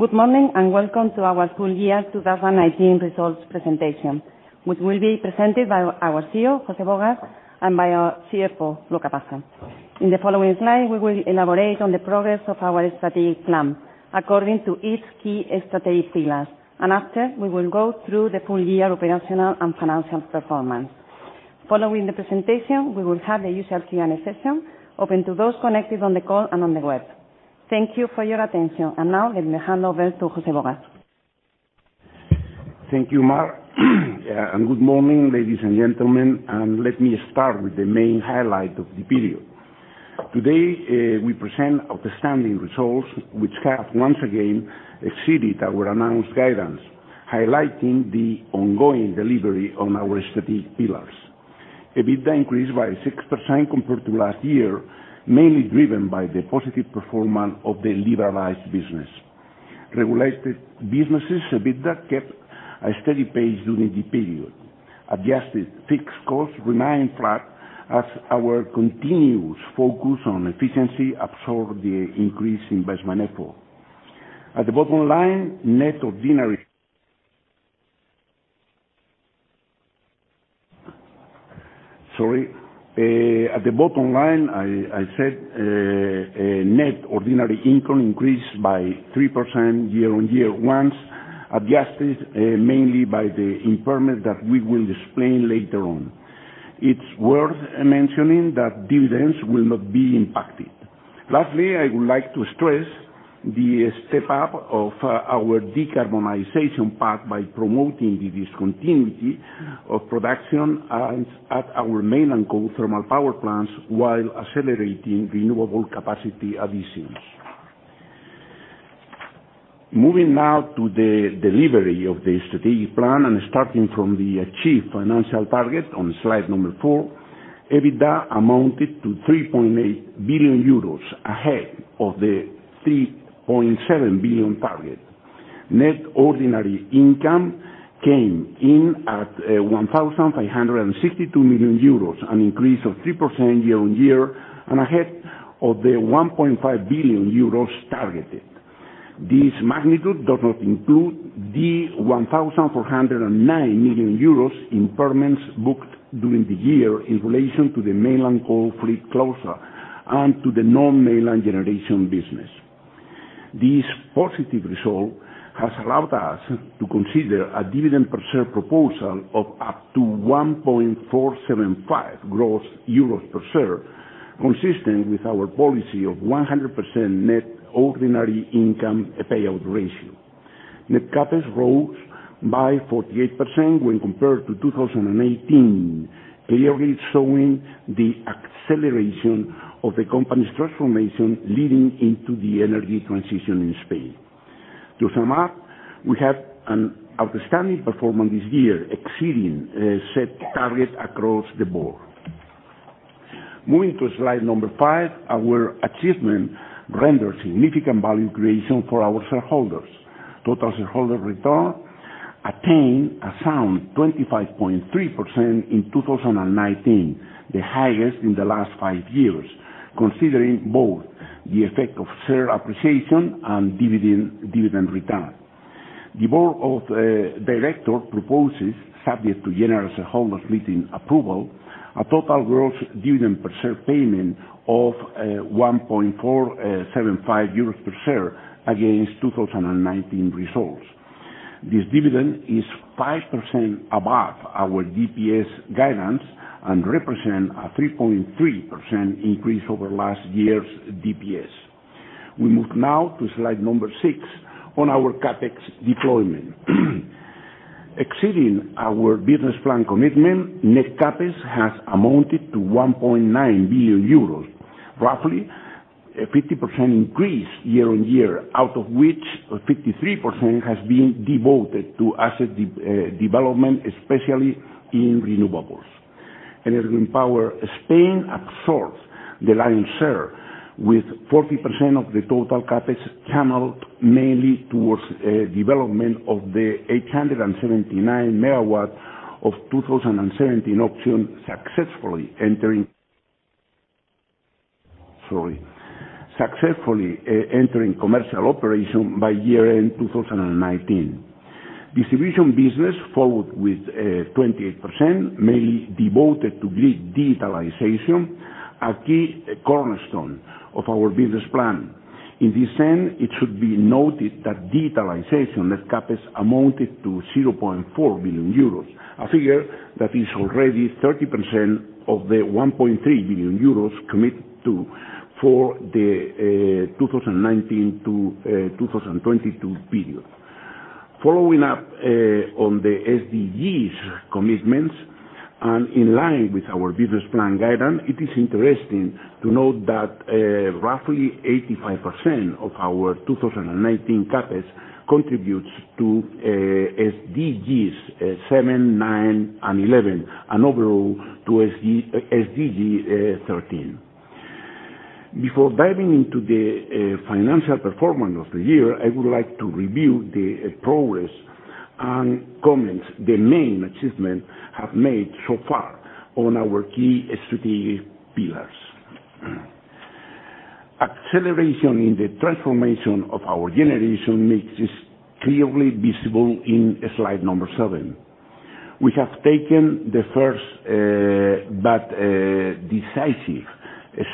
Good morning and welcome to our full year 2019 results presentation, which will be presented by our CEO, José Bogas, and by our CFO, Luca Passa. In the following slide, we will elaborate on the progress of our strategic plan according to its key strategic pillars, and after, we will go through the full year operational and financial performance. Following the presentation, we will have the usual Q&A session open to those connected on the call and on the web. Thank you for your attention, and now let me hand over to José Bogas. Thank you, Mar, and good morning, ladies and gentlemen. Let me start with the main highlight of the period. Today, we present outstanding results, which have, once again, exceeded our announced guidance, highlighting the ongoing delivery on our strategic pillars. EBITDA increased by 6% compared to last year, mainly driven by the positive performance of the liberalized business. Regulated businesses' EBITDA kept a steady pace during the period, adjusted fixed costs remained flat as our continuous focus on efficiency absorbed the increase in investment effort. At the bottom line, Net Ordinary, sorry. At the bottom line, I said Net Ordinary Income increased by 3% year-on-year once, adjusted mainly by the improvement that we will explain later on. It's worth mentioning that dividends will not be impacted. Lastly, I would like to stress the step-up of our decarbonization path by promoting the discontinuity of production at our main and coal thermal power plants while accelerating renewable capacity additions. Moving now to the delivery of the strategic plan and starting from the achieved financial target on slide number four, EBITDA amounted to 3.8 billion euros ahead of the 3.7 billion target. Net ordinary income came in at 1,562 million euros, an increase of 3% year-on-year and ahead of the 1.5 billion euros targeted. This magnitude does not include the 1,409 million euros in permits booked during the year in relation to the mainland coal fleet cluster and to the non-mainland generation business. This positive result has allowed us to consider a dividend per share proposal of up to 1.475 euros gross per share, consistent with our policy of 100% net ordinary income payout ratio. Net CapEx has risen by 48% when compared to 2018, clearly showing the acceleration of the company's transformation leading into the energy transition in Spain. To sum up, we have an outstanding performance this year, exceeding set target across the board. Moving to slide number five, our achievement renders significant value creation for our shareholders. Total shareholder return attained a sound 25.3% in 2019, the highest in the last five years, considering both the effect of share appreciation and dividend return. The board of directors proposes, subject to general shareholders' meeting approval, a total gross dividend per share payment of 1.475 euros per share against 2019 results. This dividend is 5% above our DPS guidance and represents a 3.3% increase over last year's DPS. We move now to slide number six on our CapEx deployment. Exceeding our business plan commitment, net CapEx has amounted to 1.9 billion euros, roughly a 50% increase year-on-year, out of which 53% has been devoted to asset development, especially in renewables. Enel Green Power España absorbs the lion's share with 40% of the total CapEx channeled mainly towards the development of the 879 megawatt of 2017 Auction, successfully entering commercial operation by year-end 2019. Distribution business followed with 28%, mainly devoted to grid digitalization, a key cornerstone of our business plan. In this sense, it should be noted that digitalization net CapEx amounted to 0.4 billion euros, a figure that is already 30% of the 1.3 billion euros committed to for the 2019 to 2022 period. Following up on the SDGs commitments and in line with our business plan guidance, it is interesting to note that roughly 85% of our 2019 CapEx contributes to SDGs 7, 9, and 11, and overall to SDG 13. Before diving into the financial performance of the year, I would like to review the progress and comment on the main achievements we have made so far on our key strategic pillars. Acceleration in the transformation of our generation mix is clearly visible in slide number seven. We have taken the first but decisive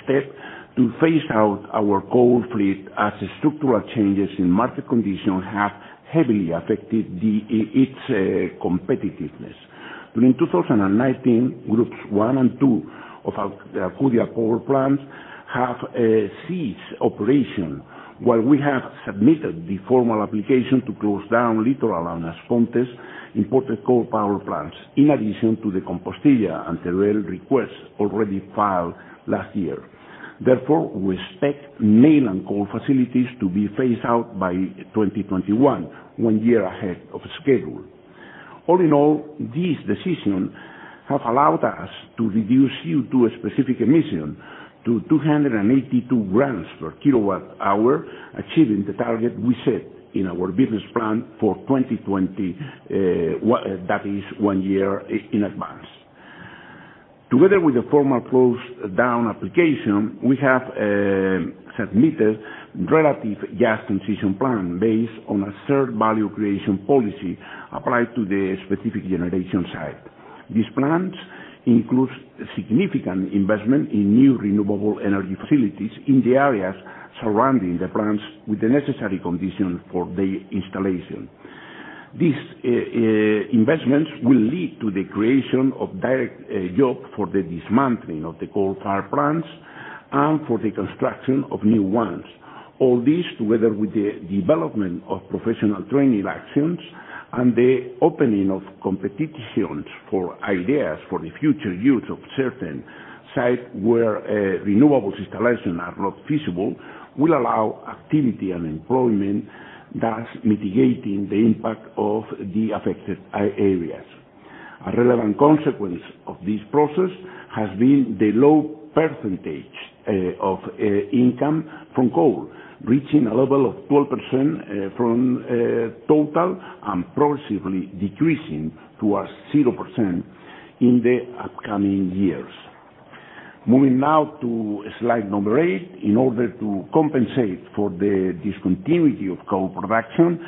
step to phase out our coal fleet as structural changes in market conditions have heavily affected its competitiveness. During 2019, groups one and two of As Pontes Power Plant have ceased operation while we have submitted the formal application to close down Litoral and As Pontes imported coal power plants, in addition to the Compostilla and Teruel requests already filed last year. Therefore, we expect mainland coal facilities to be phased out by 2021, one year ahead of schedule. All in all, these decisions have allowed us to reduce CO2 specific emission to 282 grams per kilowatt hour, achieving the target we set in our business plan for 2020, that is, one year in advance. Together with the formal close-down application, we have submitted regulatory gas transition plan based on a third value creation policy applied to the specific generation site. These plans include significant investment in new renewable energy facilities in the areas surrounding the plants with the necessary conditions for their installation. These investments will lead to the creation of direct jobs for the dismantling of the coal-fired plants and for the construction of new ones. All this, together with the development of professional training actions and the opening of competitions for ideas for the future use of certain sites where renewables installations are not feasible, will allow activity and employment thus mitigating the impact of the affected areas. A relevant consequence of this process has been the low percentage of income from coal reaching a level of 12% from total and progressively decreasing towards 0% in the upcoming years. Moving now to slide number eight, in order to compensate for the discontinuity of coal production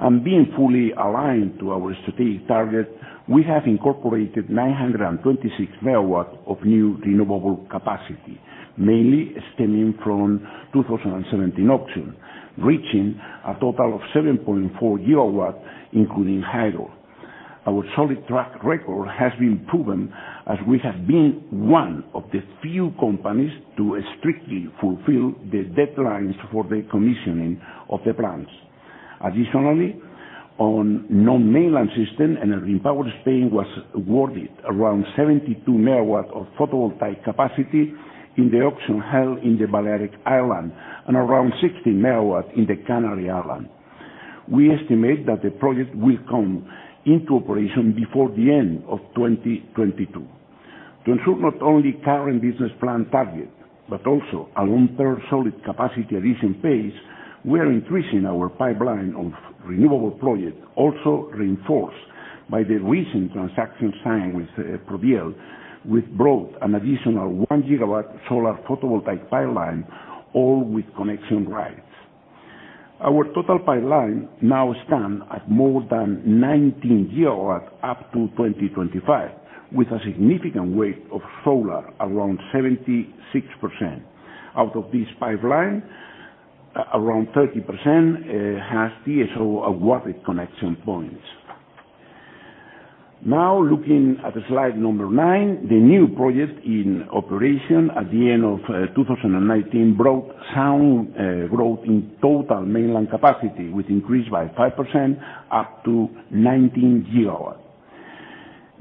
and being fully aligned to our strategic target, we have incorporated 926 megawatts of new renewable capacity, mainly stemming from 2017 Auction, reaching a total of 7.4 gigawatts, including hydro. Our solid track record has been proven as we have been one of the few companies to strictly fulfill the deadlines for the commissioning of the plants. Additionally, on non-mainland system, Enel Green Power Spain was awarded around 72 megawatts of photovoltaic capacity in the option held in the Balearic Islands and around 60 megawatts in the Canary Islands. We estimate that the project will come into operation before the end of 2022. To ensure not only current business plan target but also a long-term solid capacity addition phase, we are increasing our pipeline of renewable projects, also reinforced by the recent transaction signed with Prodiel, which brought an additional one gigawatt solar photovoltaic pipeline, all with connection rights. Our total pipeline now stands at more than 19 gigawatts up to 2025, with a significant weight of solar around 76%. Out of this pipeline, around 30% has TSO awarded connection points. Now, looking at slide number nine, the new project in operation at the end of 2019 brought sound growth in total mainland capacity, with increase by 5% up to 19 gigawatts.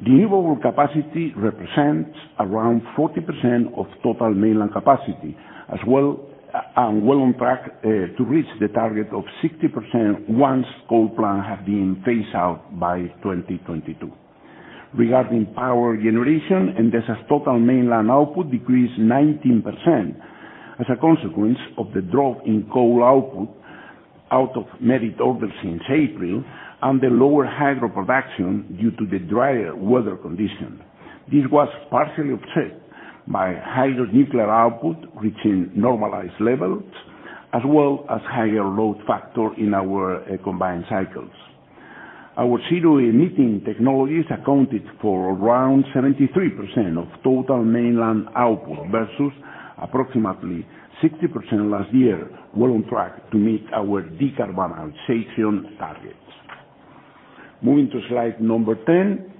Renewable capacity represents around 40% of total mainland capacity, as well and well on track to reach the target of 60% once coal plants have been phased out by 2022. Regarding power generation, and this has total mainland output decreased 19% as a consequence of the drop in coal output out of merit orders since April and the lower hydro production due to the drier weather conditions. This was partially offset by hydro nuclear output reaching normalized levels, as well as higher load factor in our combined cycles. Our CO2 emitting technologies accounted for around 73% of total mainland output versus approximately 60% last year, well on track to meet our decarbonization targets. Moving to slide number ten,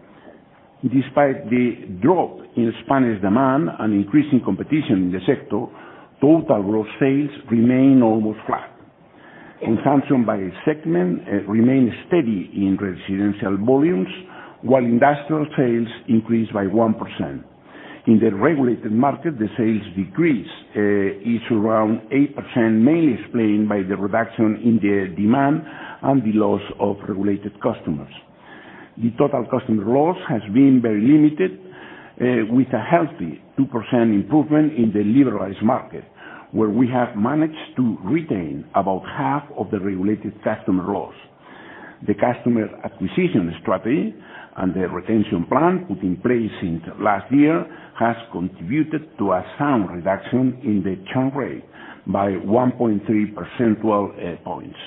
despite the drop in Spanish demand and increasing competition in the sector, total gross sales remain almost flat. Consumption by segment remains steady in residential volumes, while industrial sales increased by 1%. In the regulated market, the sales decrease is around 8%, mainly explained by the reduction in the demand and the loss of regulated customers. The total customer loss has been very limited, with a healthy 2% improvement in the liberalized market, where we have managed to retain about half of the regulated customer loss. The customer acquisition strategy and the retention plan put in place since last year has contributed to a sound reduction in the churn rate by 1.3 percentage points.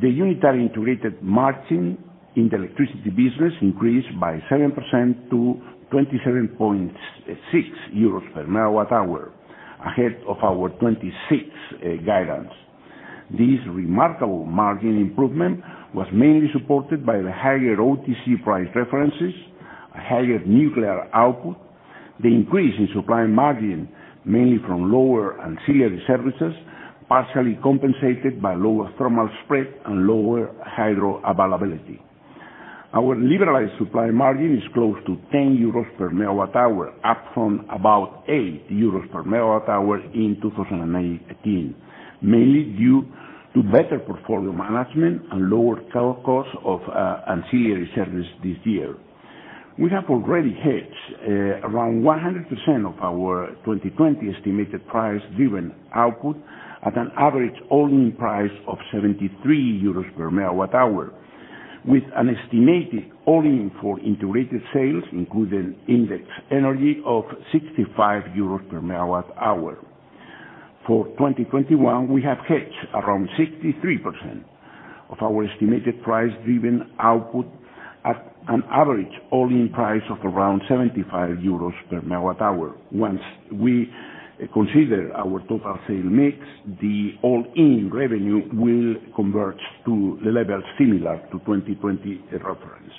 The unitary integrated margin in the electricity business increased by 7% to 27.6 euros per megawatt hour, ahead of our 26 guidance. This remarkable margin improvement was mainly supported by the higher OTC price references, a higher nuclear output, the increase in supply margin mainly from lower ancillary services, partially compensated by lower thermal spread and lower hydro availability. Our liberalized supply margin is close to 10 euros per megawatt hour, up from about 8 euros per megawatt hour in 2018, mainly due to better portfolio management and lower cost of ancillary service this year. We have already hedged around 100% of our 2020 estimated price-driven output at an average all-in price of 73 euros per megawatt hour, with an estimated all-in for integrated sales, including index energy, of 65 euros per megawatt hour. For 2021, we have hedged around 63% of our estimated price-driven output at an average all-in price of around 75 euros per megawatt hour. Once we consider our total sale mix, the all-in revenue will convert to the level similar to 2020 reference.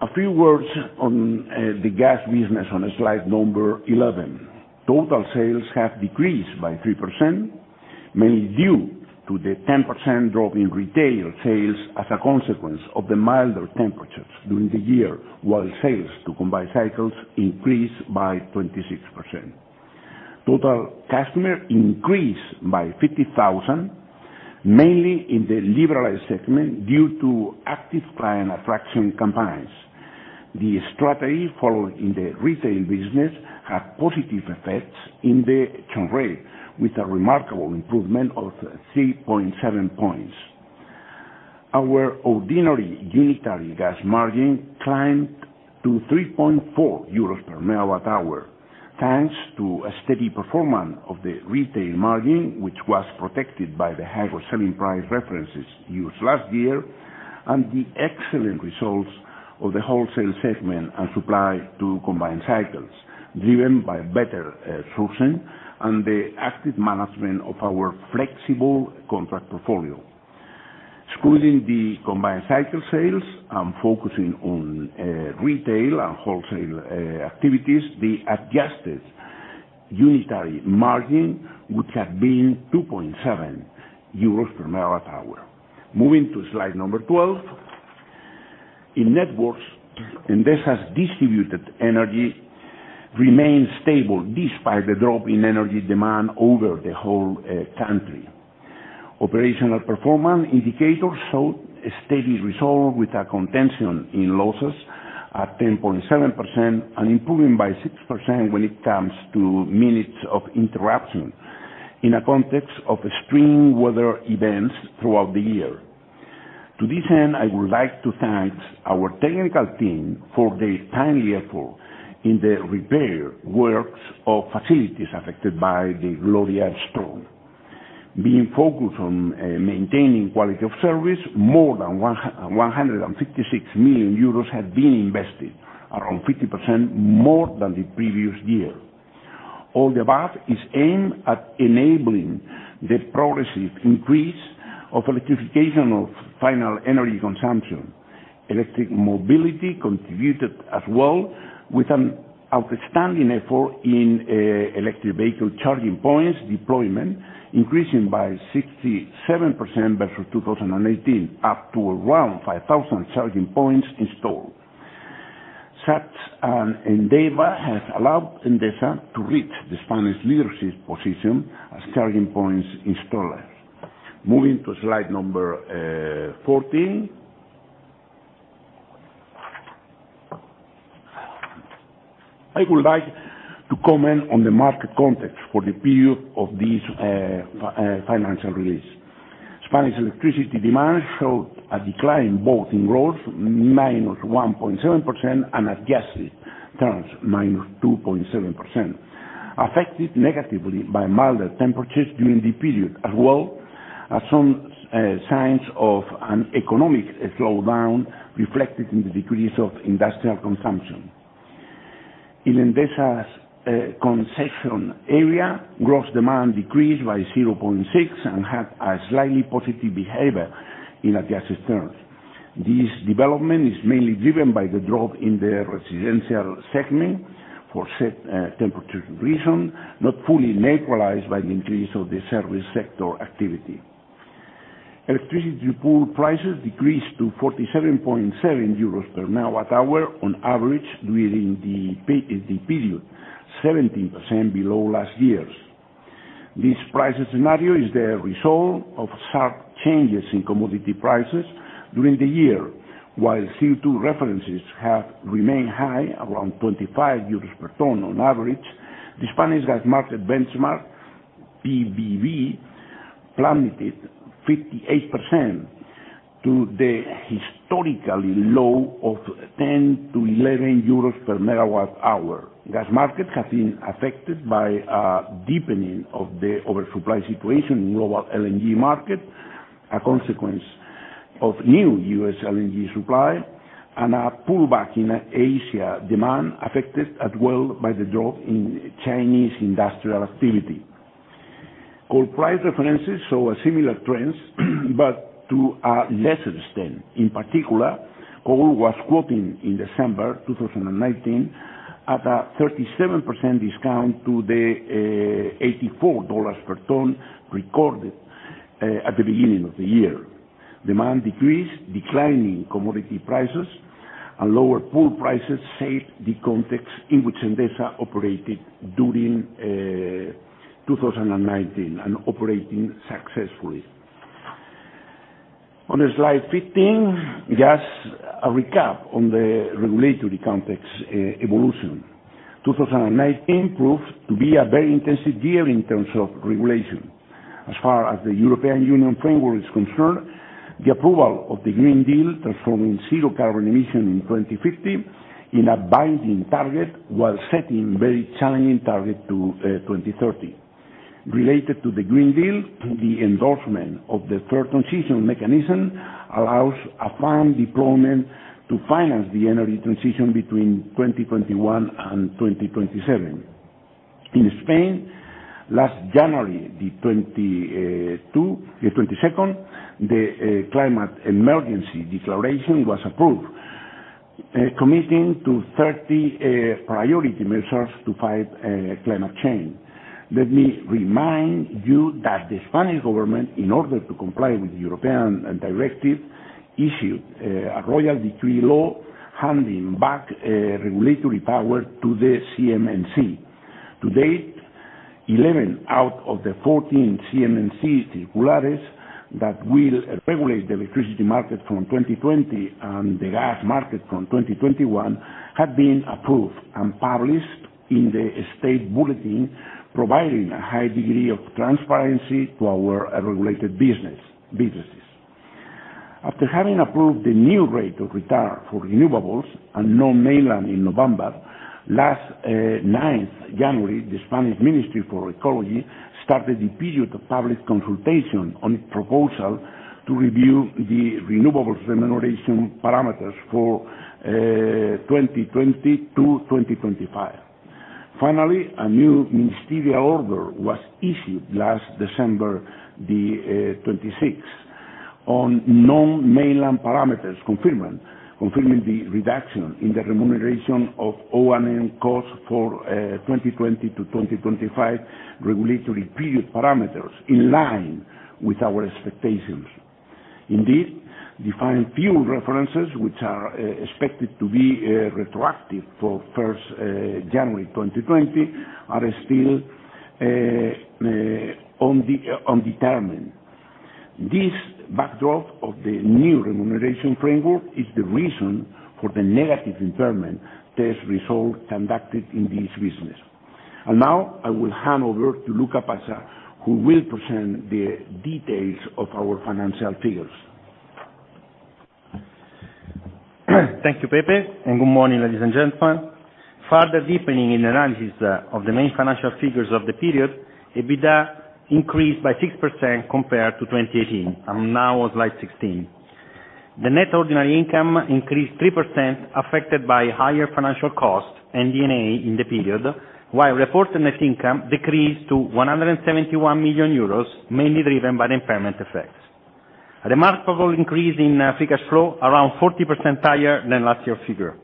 A few words on the gas business on slide number 11. Total sales have decreased by 3%, mainly due to the 10% drop in retail sales as a consequence of the milder temperatures during the year, while sales to combined cycles increased by 26%. Total customers increased by 50,000, mainly in the liberalized segment due to active client attraction campaigns. The strategy followed in the retail business had positive effects in the churn rate, with a remarkable improvement of 3.7 points. Our ordinary unitary gas margin climbed to 3.4 euros per megawatt hour, thanks to a steady performance of the retail margin, which was protected by the hydro selling price references used last year, and the excellent results of the wholesale segment and supply to combined cycles, driven by better sourcing and the active management of our flexible contract portfolio. Excluding the combined cycle sales and focusing on retail and wholesale activities, the adjusted unitary margin would have been 2.7 euros per megawatt hour. Moving to slide number 12. In networks and the distribution remained stable despite the drop in energy demand over the whole country. Operational performance indicators showed a steady result with a containment in losses at 10.7% and improving by 6% when it comes to minutes of interruption in a context of extreme weather events throughout the year. To this end, I would like to thank our technical team for their timely effort in the repair works of facilities affected by the Gloria storm. Being focused on maintaining quality of service, more than 156 million euros have been invested, around 50% more than the previous year. All the above is aimed at enabling the progressive increase of electrification of final energy consumption. Electric mobility contributed as well, with an outstanding effort in electric vehicle charging points deployment, increasing by 67% versus 2018, up to around 5,000 charging points installed. Such an endeavor has allowed Endesa to reach the Spanish leadership position as charging points installer. Moving to slide number 14, I would like to comment on the market context for the period of this financial release. Spanish electricity demand showed a decline both in growth, minus 1.7%, and adjusted terms, minus 2.7%, affected negatively by milder temperatures during the period, as well as some signs of an economic slowdown reflected in the decrease of industrial consumption. In Endesa's concession area, gross demand decreased by 0.6% and had a slightly positive behavior in adjusted terms. This development is mainly driven by the drop in the residential segment for set temperature reasons, not fully neutralized by the increase of the service sector activity. Electricity pool prices decreased to 47.7 euros per megawatt hour on average during the period, 17% below last year. This price scenario is the result of sharp changes in commodity prices during the year. While CO2 references have remained high, around 25 euros per ton on average, the Spanish gas market benchmark, PVB, plummeted 58% to the historically low of 10 to 11 euros per megawatt hour. Gas markets have been affected by a deepening of the oversupply situation in global LNG market, a consequence of new U.S. LNG supply, and a pullback in Asia demand affected as well by the drop in Chinese industrial activity. Coal price references show similar trends, but to a lesser extent. In particular, coal was quoted in December 2019 at a 37% discount to the $84 per ton recorded at the beginning of the year. Demand decreased, declining commodity prices, and lower pool prices shaped the context in which Endesa operated during 2019 and operating successfully. On slide 15, just a recap on the regulatory context evolution. 2019 proved to be a very intensive year in terms of regulation. As far as the European Union framework is concerned, the approval of the Green Deal transforming zero carbon emission in 2050 is a binding target while setting a very challenging target to 2030. Related to the Green Deal, the endorsement of the Just Transition Mechanism allows a fund deployment to finance the energy transition between 2021 and 2027. In Spain, last January, the 22nd, the climate emergency declaration was approved, committing to 30 priority measures to fight climate change. Let me remind you that the Spanish government, in order to comply with the European directive, issued a royal decree law handing back regulatory power to the CNMC. To date, 11 out of the 14 CNMC circulares that will regulate the electricity market from 2020 and the gas market from 2021 have been approved and published in the state bulletin, providing a high degree of transparency to our regulated businesses. After having approved the new rate of return for renewables and non-mainland in November, last 9th January, the Spanish Ministry for Ecology started the period of public consultation on its proposal to review the renewables remuneration parameters for 2020 to 2025. Finally, a new ministerial order was issued last December the 26th on non-mainland parameters confirming the reduction in the remuneration of O&M costs for 2020 to 2025 regulatory period parameters in line with our expectations. Indeed, defined fuel references, which are expected to be retroactive for 1st January 2020, are still undetermined. This backdrop of the new remuneration framework is the reason for the negative impairment test result conducted in this business. And now I will hand over to Luca Passa, who will present the details of our financial figures. Thank you, Pepe, and good morning, ladies and gentlemen. Further deepening in the analysis of the main financial figures of the period, EBITDA increased by 6% compared to 2018, and now was slide 16. The net ordinary income increased 3%, affected by higher financial cost and D&A in the period, while reported net income decreased to 171 million euros, mainly driven by impairment effects. A remarkable increase in free cash flow, around 40% higher than last year figure.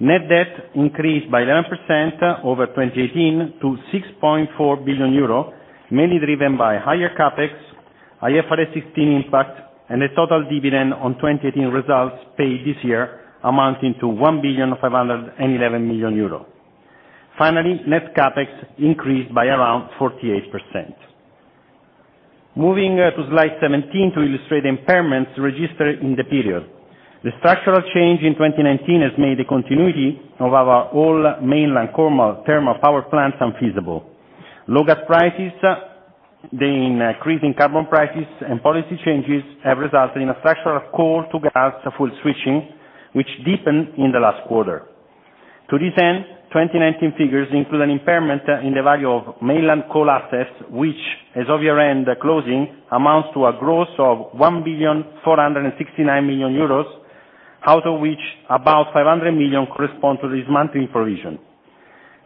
Net debt increased by 11% over 2018 to 6.4 billion euro, mainly driven by higher CapEx, IFRS 16 impact, and the total dividend on 2018 results paid this year, amounting to 1.511 billion euros. Finally, net CapEx increased by around 48%. Moving to slide 17 to illustrate impairments registered in the period. The structural change in 2019 has made the continuity of our all-mainland thermal power plants unfeasible. Low gas prices, then increasing carbon prices and policy changes have resulted in a structural call to gas full switching, which deepened in the last quarter. To this end, 2019 figures include an impairment in the value of mainland coal assets, which, as of year-end closing, amounts to a gross of 1.469 billion, out of which about 500 million correspond to this monthly provision.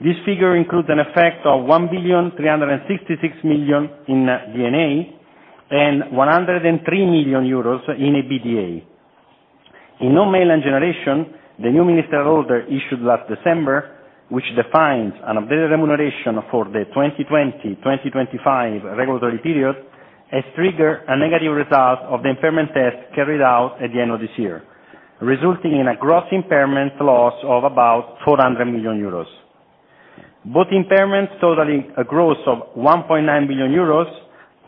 This figure includes an effect of 1 billion 366 million in D&A and 103 million euros in EBITDA. In non-mainland generation, the new ministerial order issued last December, which defines an updated remuneration for the 2020-2025 regulatory period, has triggered a negative result of the impairment test carried out at the end of this year, resulting in a gross impairment loss of about 400 million euros. Both impairments totaling a gross of 1.9 billion euros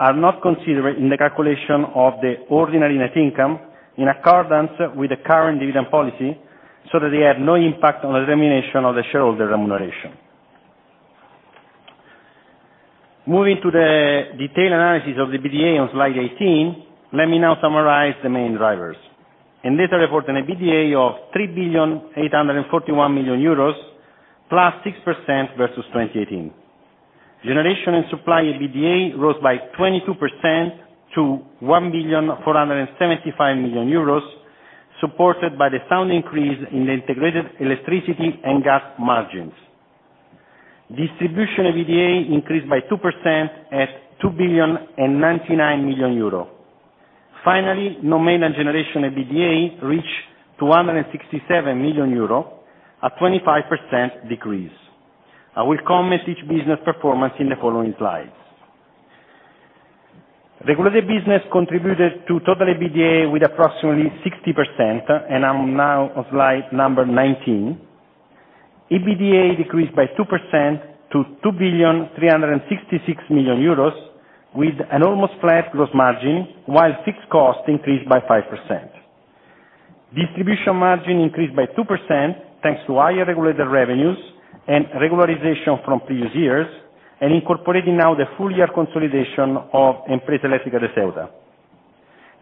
are not considered in the calculation of the ordinary net income in accordance with the current dividend policy, so that they have no impact on the determination of the shareholder remuneration. Moving to the detailed analysis of the EBITDA on slide 18, let me now summarize the main drivers. Endesa reported an EBITDA of 3 billion 841 million, plus 6% versus 2018. Generation and supply EBITDA rose by 22% to 1,475 million euros, supported by the sound increase in the integrated electricity and gas margins. Distribution EBITDA increased by 2% at 2,099 million euro. Finally, non-mainland generation EBITDA reached 267 million euros, a 25% decrease. I will comment each business performance in the following slides. Regulatory business contributed to total EBITDA with approximately 60%, and I'm now on slide number 19. EBITDA decreased by 2% to 2,366 million euros, with an almost flat gross margin, while fixed cost increased by 5%. Distribution margin increased by 2% thanks to higher regulated revenues and regularization from previous years, and incorporating now the full year consolidation of Empresa de Alumbrado Eléctrico de Ceuta.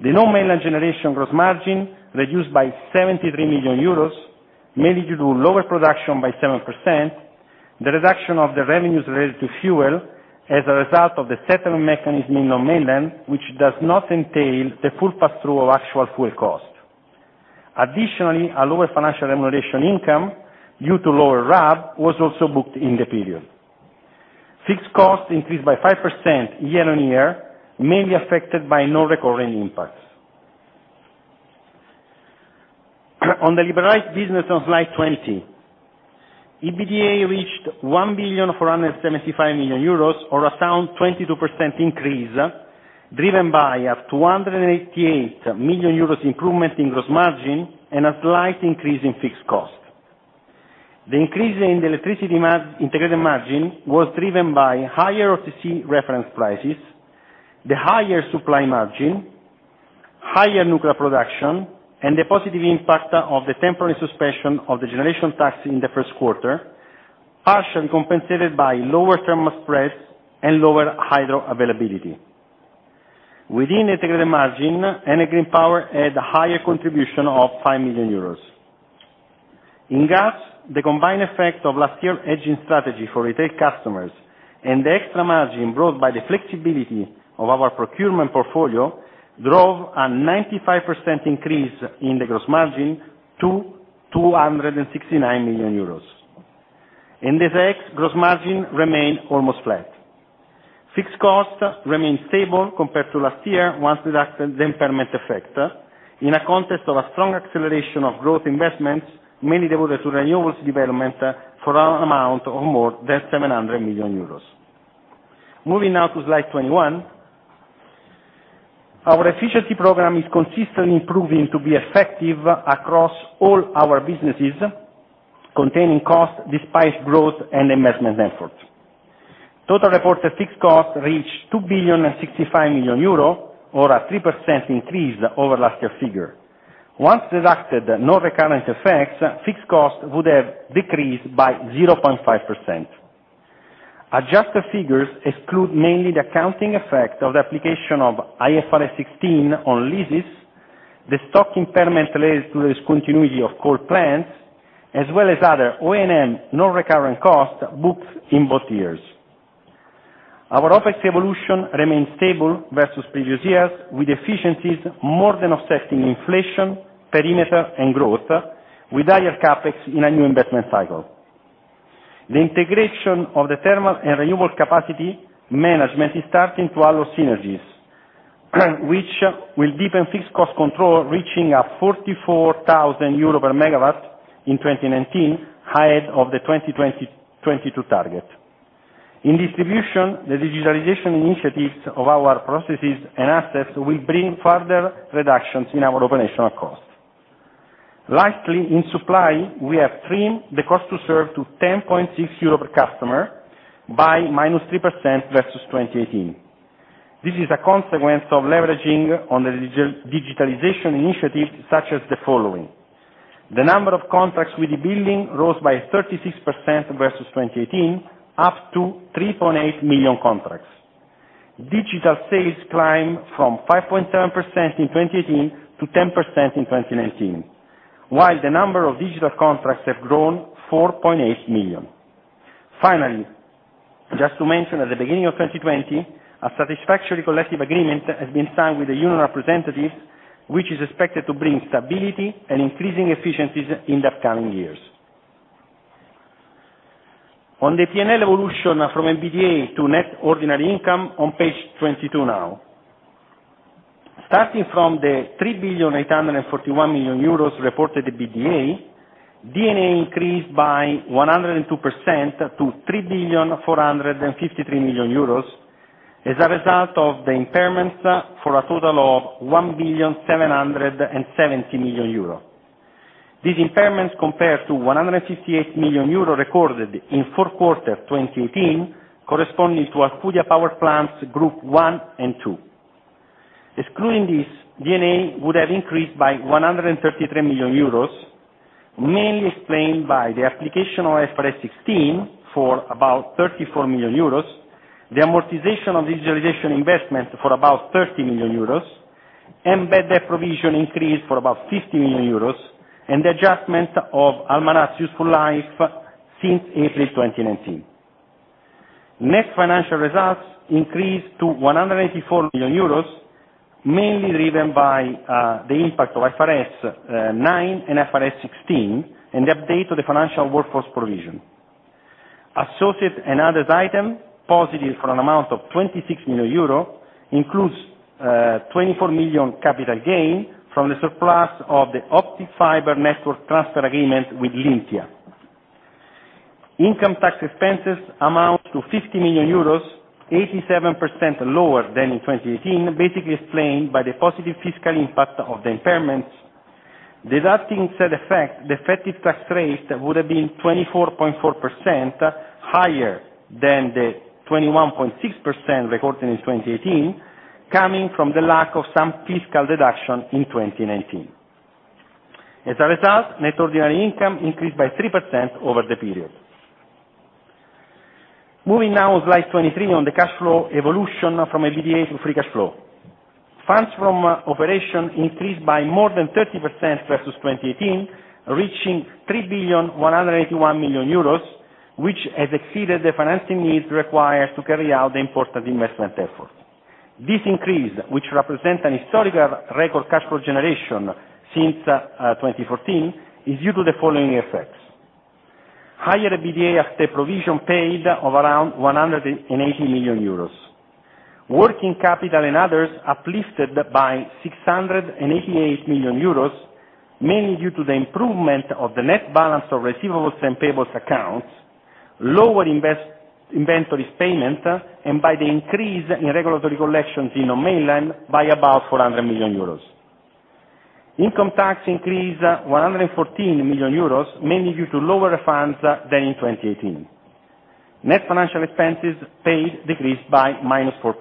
The non-mainland generation gross margin reduced by 73 million euros, mainly due to lower production by 7%, the reduction of the revenues related to fuel as a result of the settlement mechanism in non-mainland, which does not entail the full pass-through of actual fuel cost. Additionally, a lower financial remuneration income due to lower RAB was also booked in the period. Fixed cost increased by 5% year on year, mainly affected by non-recurring impacts. On the liberalized business on slide 20, EBITDA reached 1 billion 475 million, or a sound 22% increase, driven by a 288 million euros improvement in gross margin and a slight increase in fixed cost. The increase in the electricity integrated margin was driven by higher OTC reference prices, the higher supply margin, higher nuclear production, and the positive impact of the temporary suspension of the generation tax in the first quarter, partially compensated by lower thermal spreads and lower hydro availability. Within integrated margin, Enel Green Power had a higher contribution of five million euros. In gas, the combined effect of last year's hedging strategy for retail customers and the extra margin brought by the flexibility of our procurement portfolio drove a 95% increase in the gross margin to 269 million euros. Endesa's gross margin remained almost flat. Fixed cost remained stable compared to last year once reduced the impairment effect. In a context of a strong acceleration of growth investments, mainly devoted to renewables development for an amount of more than 700 million euros. Moving now to slide 21, our efficiency program is consistently improving to be effective across all our businesses, containing costs despite growth and investment effort. Total reported fixed cost reached 2 billion 65 million, or a 3% increase over last year's figure. Once reduced non-recurrent effects, fixed cost would have decreased by 0.5%. Adjusted figures exclude mainly the accounting effect of the application of IFRS 16 on leases, the stock impairment related to the discontinuation of coal plants, as well as other O&M non-recurrent costs booked in both years. Our OpEx evolution remains stable versus previous years, with efficiencies more than offsetting inflation, perimeter, and growth, with higher CapEx in a new investment cycle. The integration of the thermal and renewable capacity management is starting to allow synergies, which will deepen fixed cost control, reaching up to 44,000 euro per megawatt in 2019, higher than the 2022 target. In distribution, the digitalization initiatives of our processes and assets will bring further reductions in our operational costs. Lastly, in supply, we have trimmed the cost to serve to 10.6 euro per customer by minus 3% versus 2018. This is a consequence of leveraging on the digitalization initiatives such as the following. The number of contracts with the billing rose by 36% versus 2018, up to 3.8 million contracts. Digital sales climbed from 5.7% in 2018 to 10% in 2019, while the number of digital contracts has grown 4.8 million. Finally, just to mention, at the beginning of 2020, a satisfactory collective agreement has been signed with the union representatives, which is expected to bring stability and increasing efficiencies in the upcoming years. On the P&L evolution from EBITDA to net ordinary income on page 22 now. Starting from the 3 billion euros 841 million reported EBITDA, D&A increased by 102% to 3 billion euros 453 million as a result of the impairments for a total of 1 billion 770 million. These impairments compared to 158 million euro recorded in fourth quarter 2018, corresponding to Alcudia Power Plants Group 1 and 2. Excluding this, D&A would have increased by 133 million euros, mainly explained by the application of IFRS 16 for about 34 million euros, the amortization of digitalization investment for about 30 million euros, embedded provision increased for about 50 million euros, and the adjustment of assets' useful life since April 2019. Net financial results increased to 184 million euros, mainly driven by the impact of IFRS 9 and IFRS 16 and the update of the financial workforce provision. Associated and other items positive for an amount of 26 million euro include 24 million capital gain from the surplus of the optical fiber network transfer agreement with Lyntia. Income tax expenses amount to 50 million euros, 87% lower than in 2018, basically explained by the positive fiscal impact of the impairments. Deducting said effect, the effective tax rate would have been 24.4% higher than the 21.6% recorded in 2018, coming from the lack of some fiscal deduction in 2019. As a result, net ordinary income increased by 3% over the period. Moving now to slide 23 on the cash flow evolution from EBITDA to free cash flow. Funds from operations increased by more than 30% versus 2018, reaching 3 billion 181 million, which has exceeded the financing needs required to carry out the important investment effort. This increase, which represents a historical record cash flow generation since 2014, is due to the following effects: higher EBITDA after provisions paid of around 180 million euros, working capital and others uplifted by 688 million euros, mainly due to the improvement of the net balance of receivables and payables accounts, lower inventories payment, and by the increase in regulatory collections in non-mainland by about 400 million euros. Income tax increased 114 million euros, mainly due to lower funds than in 2018. Net financial expenses paid decreased by minus 4%.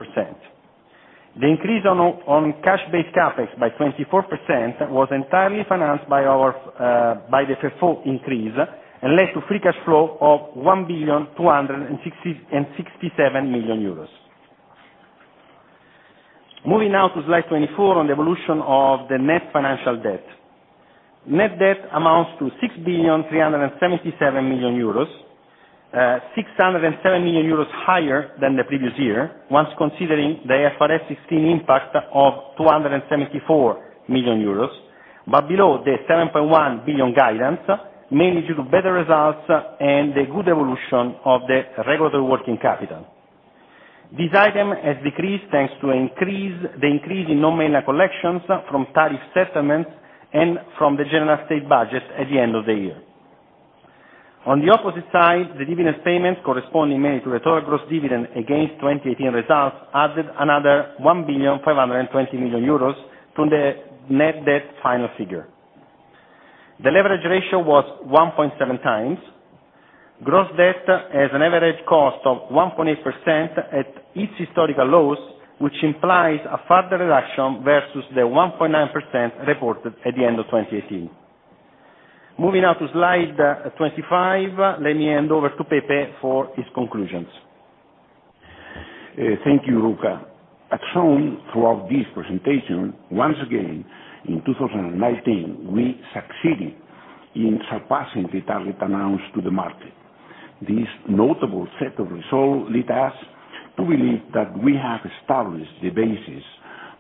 The increase on cash-based CapEx by 24% was entirely financed by the FFO increase and led to free cash flow of 1 billion 267 million. Moving now to slide 24 on the evolution of the net financial debt. Net debt amounts to 6.377 billion, 607 million euros higher than the previous year, once considering the IFRS 16 impact of 274 million euros, but below the 7.1 billion guidance, mainly due to better results and the good evolution of the regulatory working capital. This item has decreased thanks to the increase in non-mainland collections from tariff settlements and from the general state budget at the end of the year. On the opposite side, the dividend payments, corresponding mainly to the total gross dividend against 2018 results, added another 1.520 billion euros to the net debt final figure. The leverage ratio was 1.7 times. Gross debt has an average cost of 1.8% at its historical lows, which implies a further reduction versus the 1.9% reported at the end of 2018. Moving now to slide 25, let me hand over to Pepe for his conclusions. Thank you, Luca. At home throughout this presentation, once again, in 2019, we succeeded in surpassing the target announced to the market. This notable set of results led us to believe that we have established the basis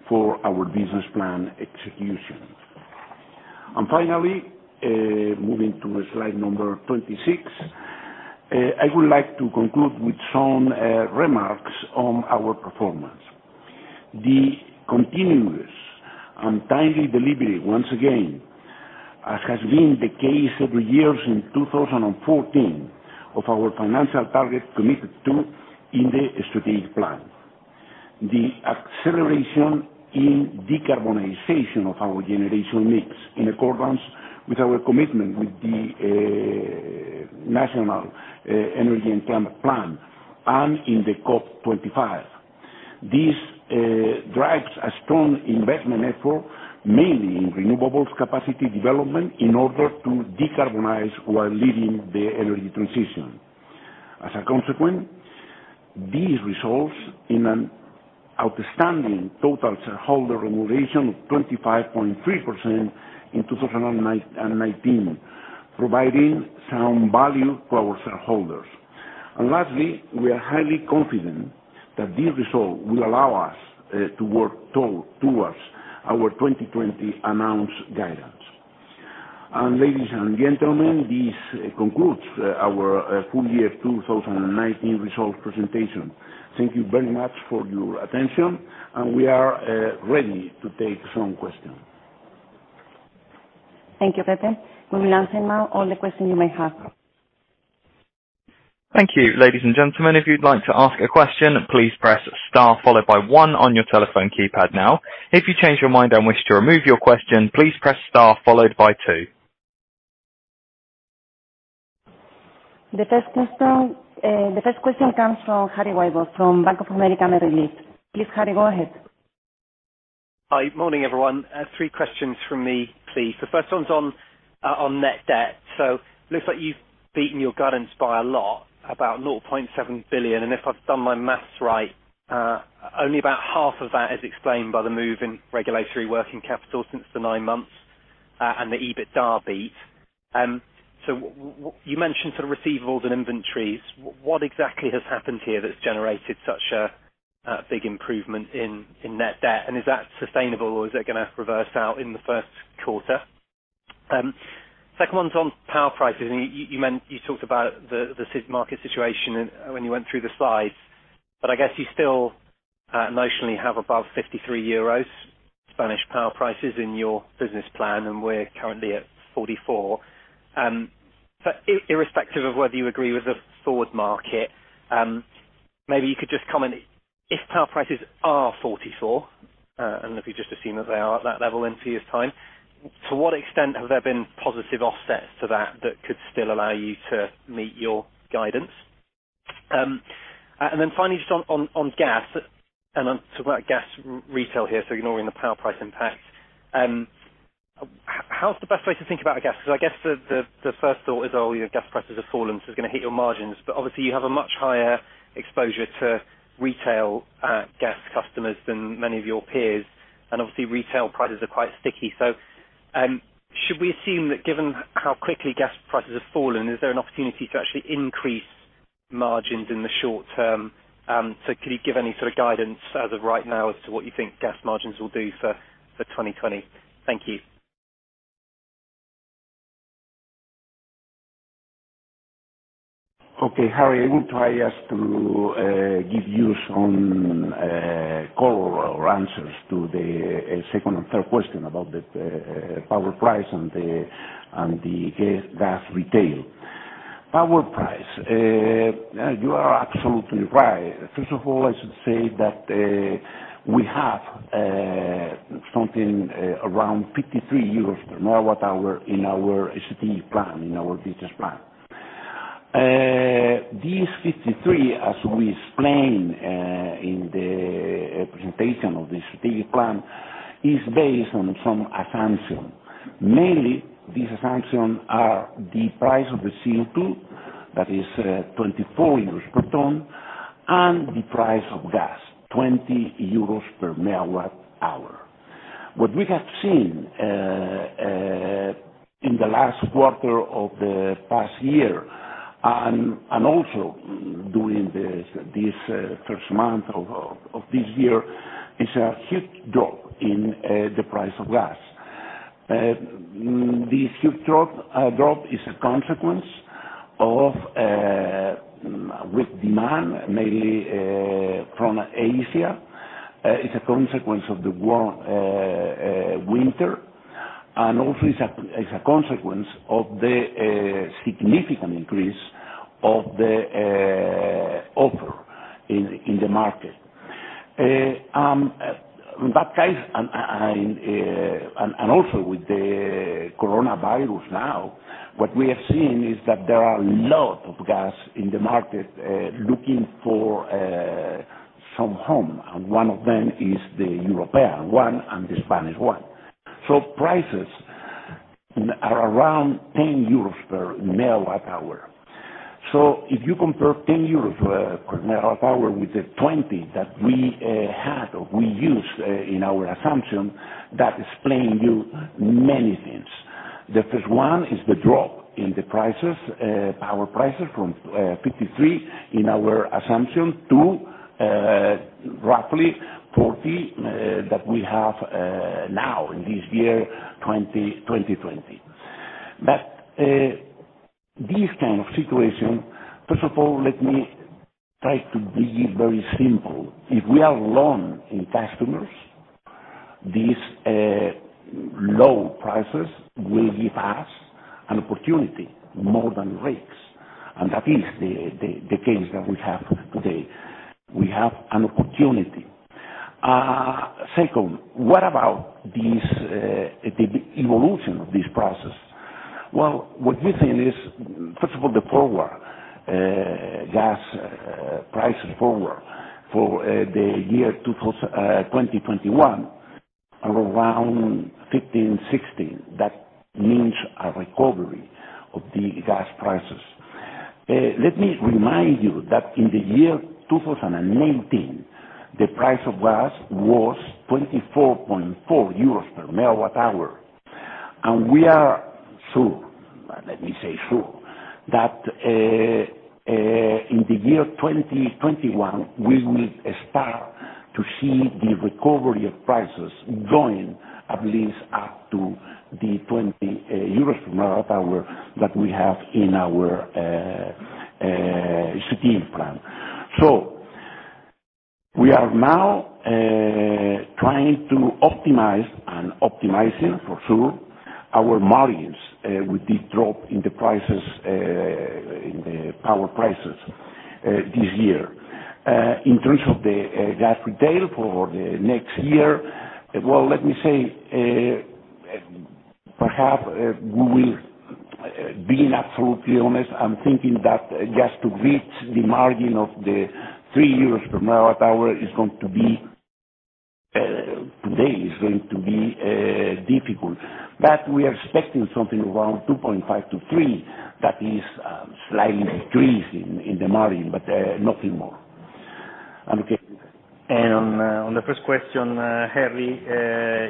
for our business plan execution. And finally, moving to slide number 26, I would like to conclude with some remarks on our performance. The continuous and timely delivery, once again, as has been the case every year since 2014, of our financial target committed to in the strategic plan. The acceleration in decarbonization of our generation mix, in accordance with our commitment with the National Energy and Climate Plan and in the COP25, this drives a strong investment effort, mainly in renewables capacity development in order to decarbonize while leading the energy transition. As a consequence, these results in an outstanding total shareholder remuneration of 25.3% in 2019, providing sound value to our shareholders. And lastly, we are highly confident that these results will allow us to work towards our 2020 announced guidance. And ladies and gentlemen, this concludes our full year 2019 results presentation. Thank you very much for your attention, and we are ready to take some questions. Thank you, Pepe. We will answer now all the questions you may have. Thank you. Ladies and gentlemen, if you'd like to ask a question, please press star followed by one on your telephone keypad now. If you change your mind and wish to remove your question, please press star followed by two. The first question comes from Harry Wyburd from Bank of America Merrill Lynch. Please, Harry, go ahead. Hi. Morning, everyone. Three questions from me, please. The first one's on net debt. So it looks like you've beaten your guidance by a lot about 0.7 billion. And if I've done my math right, only about half of that is explained by the move in regulatory working capital since the nine months and the EBITDA beat. So you mentioned sort of receivables and inventories. What exactly has happened here that's generated such a big improvement in net debt? And is that sustainable, or is it going to reverse out in the first quarter? Second one's on power prices. You talked about the CO2 market situation when you went through the slides, but I guess you still notionally have above 53 euros Spanish power prices in your business plan, and we're currently at 44. But irrespective of whether you agree with the forward market, maybe you could just comment, if power prices are 44, and if you just assume that they are at that level in a few years' time, to what extent have there been positive offsets to that that could still allow you to meet your guidance? And then finally, just on gas, and I'm talking about gas retail here, so ignoring the power price impacts, how's the best way to think about gas? Because I guess the first thought is, "Oh, gas prices have fallen, so it's going to hit your margins." But obviously, you have a much higher exposure to retail gas customers than many of your peers, and obviously, retail prices are quite sticky. So should we assume that given how quickly gas prices have fallen, is there an opportunity to actually increase margins in the short term? So could you give any sort of guidance as of right now as to what you think gas margins will do for 2020? Thank you. Okay. Harry, I want to ask to give you some call or answers to the second and third question about the power price and the gas retail. Power price, you are absolutely right. First of all, I should say that we have something around 53 euros per megawatt hour in our strategic plan, in our business plan. These 53, as we explained in the presentation of the strategic plan, is based on some assumption. Mainly, these assumptions are the price of the CO2, that is 24 euros per ton, and the price of gas, 20 euros per megawatt hour. What we have seen in the last quarter of the past year and also during this first month of this year is a huge drop in the price of gas. This huge drop is a consequence of with demand, mainly from Asia. It's a consequence of the warm winter, and also it's a consequence of the significant increase of the offer in the market. In that case, and also with the coronavirus now, what we have seen is that there are a lot of gas in the market looking for some home, and one of them is the European one and the Spanish one. So prices are around 10 euros per megawatt hour. So if you compare 10 euros per megawatt hour with the 20 that we had or we used in our assumption, that explains to you many things. The first one is the drop in the prices, power prices from 53 in our assumption to roughly 40 that we have now in this year, 2020, but this kind of situation, first of all, let me try to be very simple. If we are long in customers, these low prices will give us an opportunity more than risks, and that is the case that we have today. We have an opportunity. Second, what about the evolution of this process? Well, what we think is, first of all, the forward gas prices for the year 2021 are around 15-16. That means a recovery of the gas prices. Let me remind you that in the year 2018, the price of gas was 24.4 euros per megawatt hour. And we are sure, let me say sure, that in the year 2021, we will start to see the recovery of prices going at least up to 20 euros per megawatt hour that we have in our strategic plan. So we are now trying to optimize and optimizing, for sure, our margins with the drop in the prices, in the power prices this year. In terms of the gas retail for the next year, well, let me say, perhaps we will be absolutely honest. I'm thinking that just to reach the margin of 3 euros per megawatt hour is going to be today, is going to be difficult. But we are expecting something around 2.5-3 that is slightly decreasing in the margin, but nothing more. And on the first question, Harry,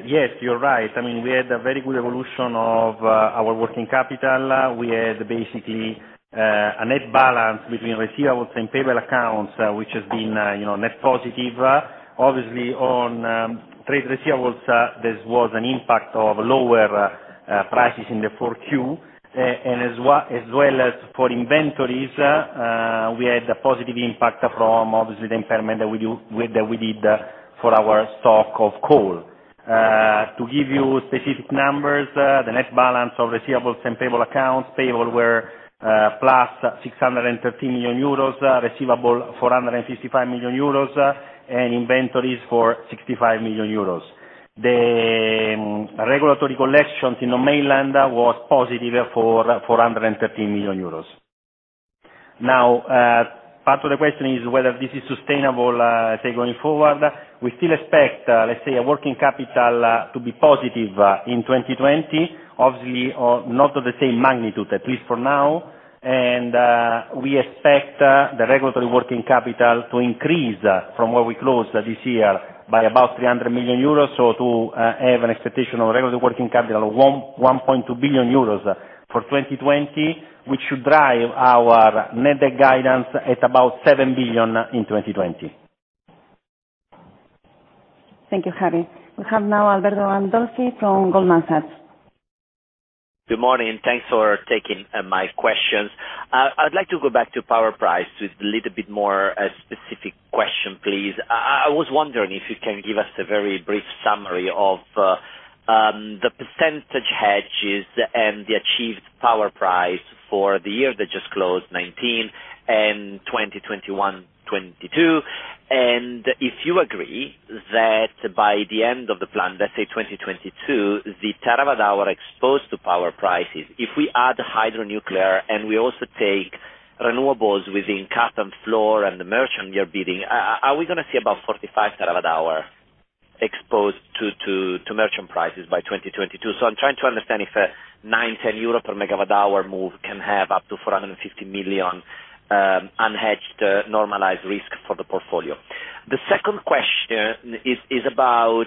yes, you're right. I mean, we had a very good evolution of our working capital. We had basically a net balance between receivables and payable accounts, which has been net positive. Obviously, on trade receivables, there was an impact of lower prices in the 4Q, and as well as for inventories, we had a positive impact from obviously the impairment that we did for our stock of coal. To give you specific numbers, the net balance of receivables and payable accounts, payable were plus 613 million euros, receivable 455 million euros, and inventories for 65 million euros. The regulatory collections in non-mainland was positive for 413 million euros. Now, part of the question is whether this is sustainable, say, going forward. We still expect, let's say, a working capital to be positive in 2020, obviously not of the same magnitude, at least for now. And we expect the regulatory working capital to increase from what we closed this year by about 300 million euros. So to have an expectation of regulatory working capital of 1.2 billion euros for 2020, which should drive our net debt guidance at about 7 billion in 2020. Thank you, Harry. We have now Alberto Gandolfi from Goldman Sachs. Good morning. Thanks for taking my questions. I'd like to go back to power price with a little bit more specific question, please. I was wondering if you can give us a very brief summary of the percentage hedges and the achieved power price for the year that just closed, 2019 and 2021, 2022? And if you agree that by the end of the plan, let's say 2022, the terawatt hour exposed to power prices, if we add hydro nuclear and we also take renewables within cap and floor and the merchant year bidding, are we going to see about 45 terawatt hour exposed to merchant prices by 2022? So I'm trying to understand if a 9-10 euro per megawatt hour move can have up to 450 million unhedged normalized risk for the portfolio. The second question is about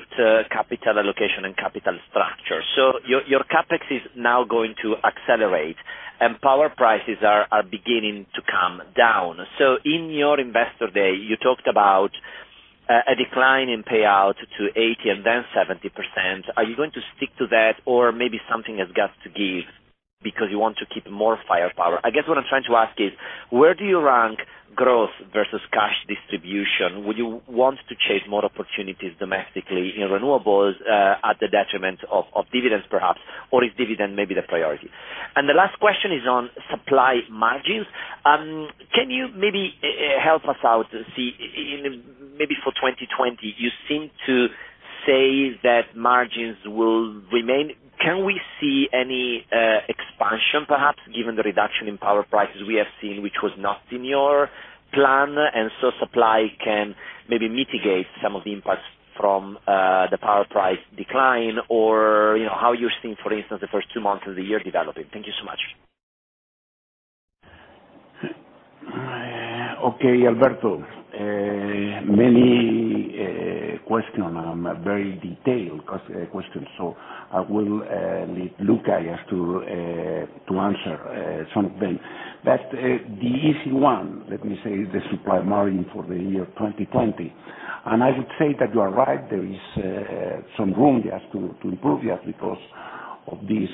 capital allocation and capital structure. So your CapEx is now going to accelerate, and power prices are beginning to come down. So in your investor day, you talked about a decline in payout to 80% and then 70%. Are you going to stick to that, or maybe something has got to give because you want to keep more firepower? I guess what I'm trying to ask is, where do you rank growth versus cash distribution? Would you want to chase more opportunities domestically in renewables at the detriment of dividends, perhaps, or is dividend maybe the priority? And the last question is on supply margins. Can you maybe help us out to see in maybe for 2020, you seem to say that margins will remain. Can we see any expansion, perhaps, given the reduction in power prices we have seen, which was not in your plan, and so supply can maybe mitigate some of the impacts from the power price decline or how you're seeing, for instance, the first two months of the year developing? Thank you so much. Okay, Alberto. Many questions are very detailed questions, so I will leave Luca just to answer some of them. But the easy one, let me say, is the supply margin for the year 2020. And I would say that you are right. There is some room just to improve just because of these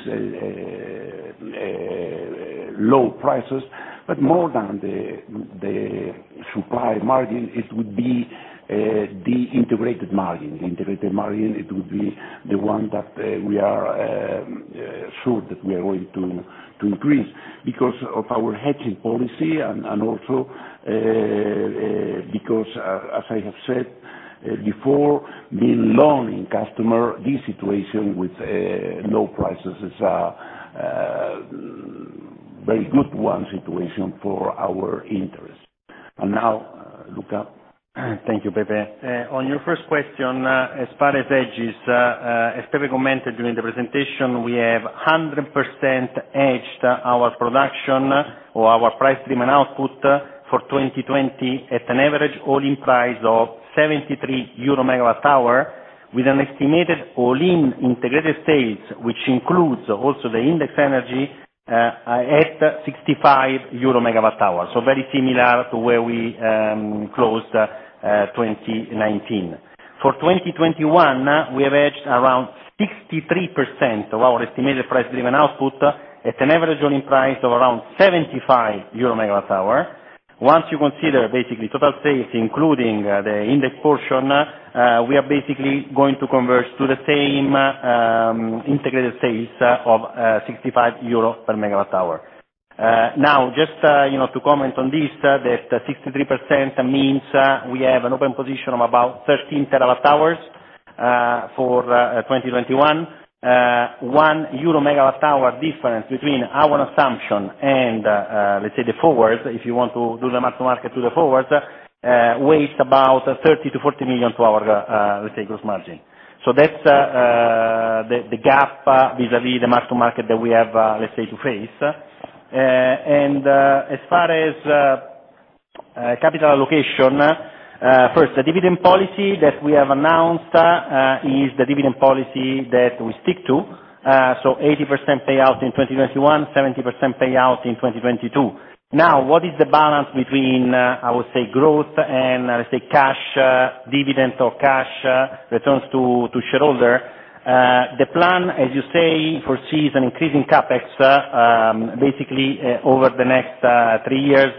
low prices. But more than the supply margin, it would be the integrated margin. The integrated margin, it would be the one that we are sure that we are going to increase because of our hedging policy and also because, as I have said before, being long in customers, this situation with low prices is a very good situation for our interest. And now, Luca. Thank you, Pepe. On your first question, as far as hedges, as Pepe commented during the presentation, we have 100% hedged our production or our price-driven output for 2020 at an average all-in price of 73 euro megawatt hour with an estimated all-in integrated sales, which includes also the index energy at 65 euro megawatt hour, so very similar to where we closed 2019. For 2021, we have hedged around 63% of our estimated price-driven output at an average all-in price of around 75 euro megawatt hour. Once you consider basically total sales, including the index portion, we are basically going to convert to the same integrated sales of 65 euro per megawatt hour. Now, just to comment on this, that 63% means we have an open position of about 13 terawatt hours for 2021. One euro megawatt hour difference between our assumption and, let's say, the forwards, if you want to do the mark-to-market to the forwards, weighs about 30-40 million to our, let's say, gross margin. So that's the gap vis-à-vis the mark-to-market that we have, let's say, to face. And as far as capital allocation, first, the dividend policy that we have announced is the dividend policy that we stick to. So 80% payout in 2021, 70% payout in 2022. Now, what is the balance between, I would say, growth and, let's say, cash dividend or cash returns to shareholder? The plan, as you say, foresees an increase in CapEx basically over the next three years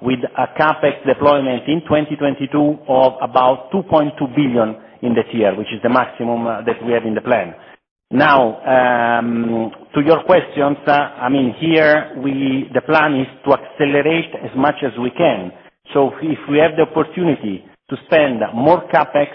with a CapEx deployment in 2022 of about 2.2 billion in this year, which is the maximum that we have in the plan. Now, to your questions, I mean, here the plan is to accelerate as much as we can. So if we have the opportunity to spend more CapEx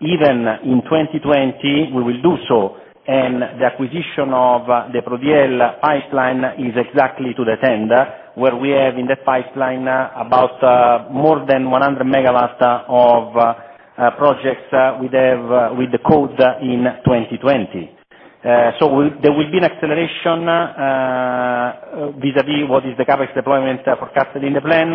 even in 2020, we will do so. And the acquisition of the Prodiel pipeline is exactly to the tender where we have in that pipeline about more than 100 megawatt of projects with the COD in 2020. So there will be an acceleration vis-à-vis what is the CapEx deployment forecasted in the plan.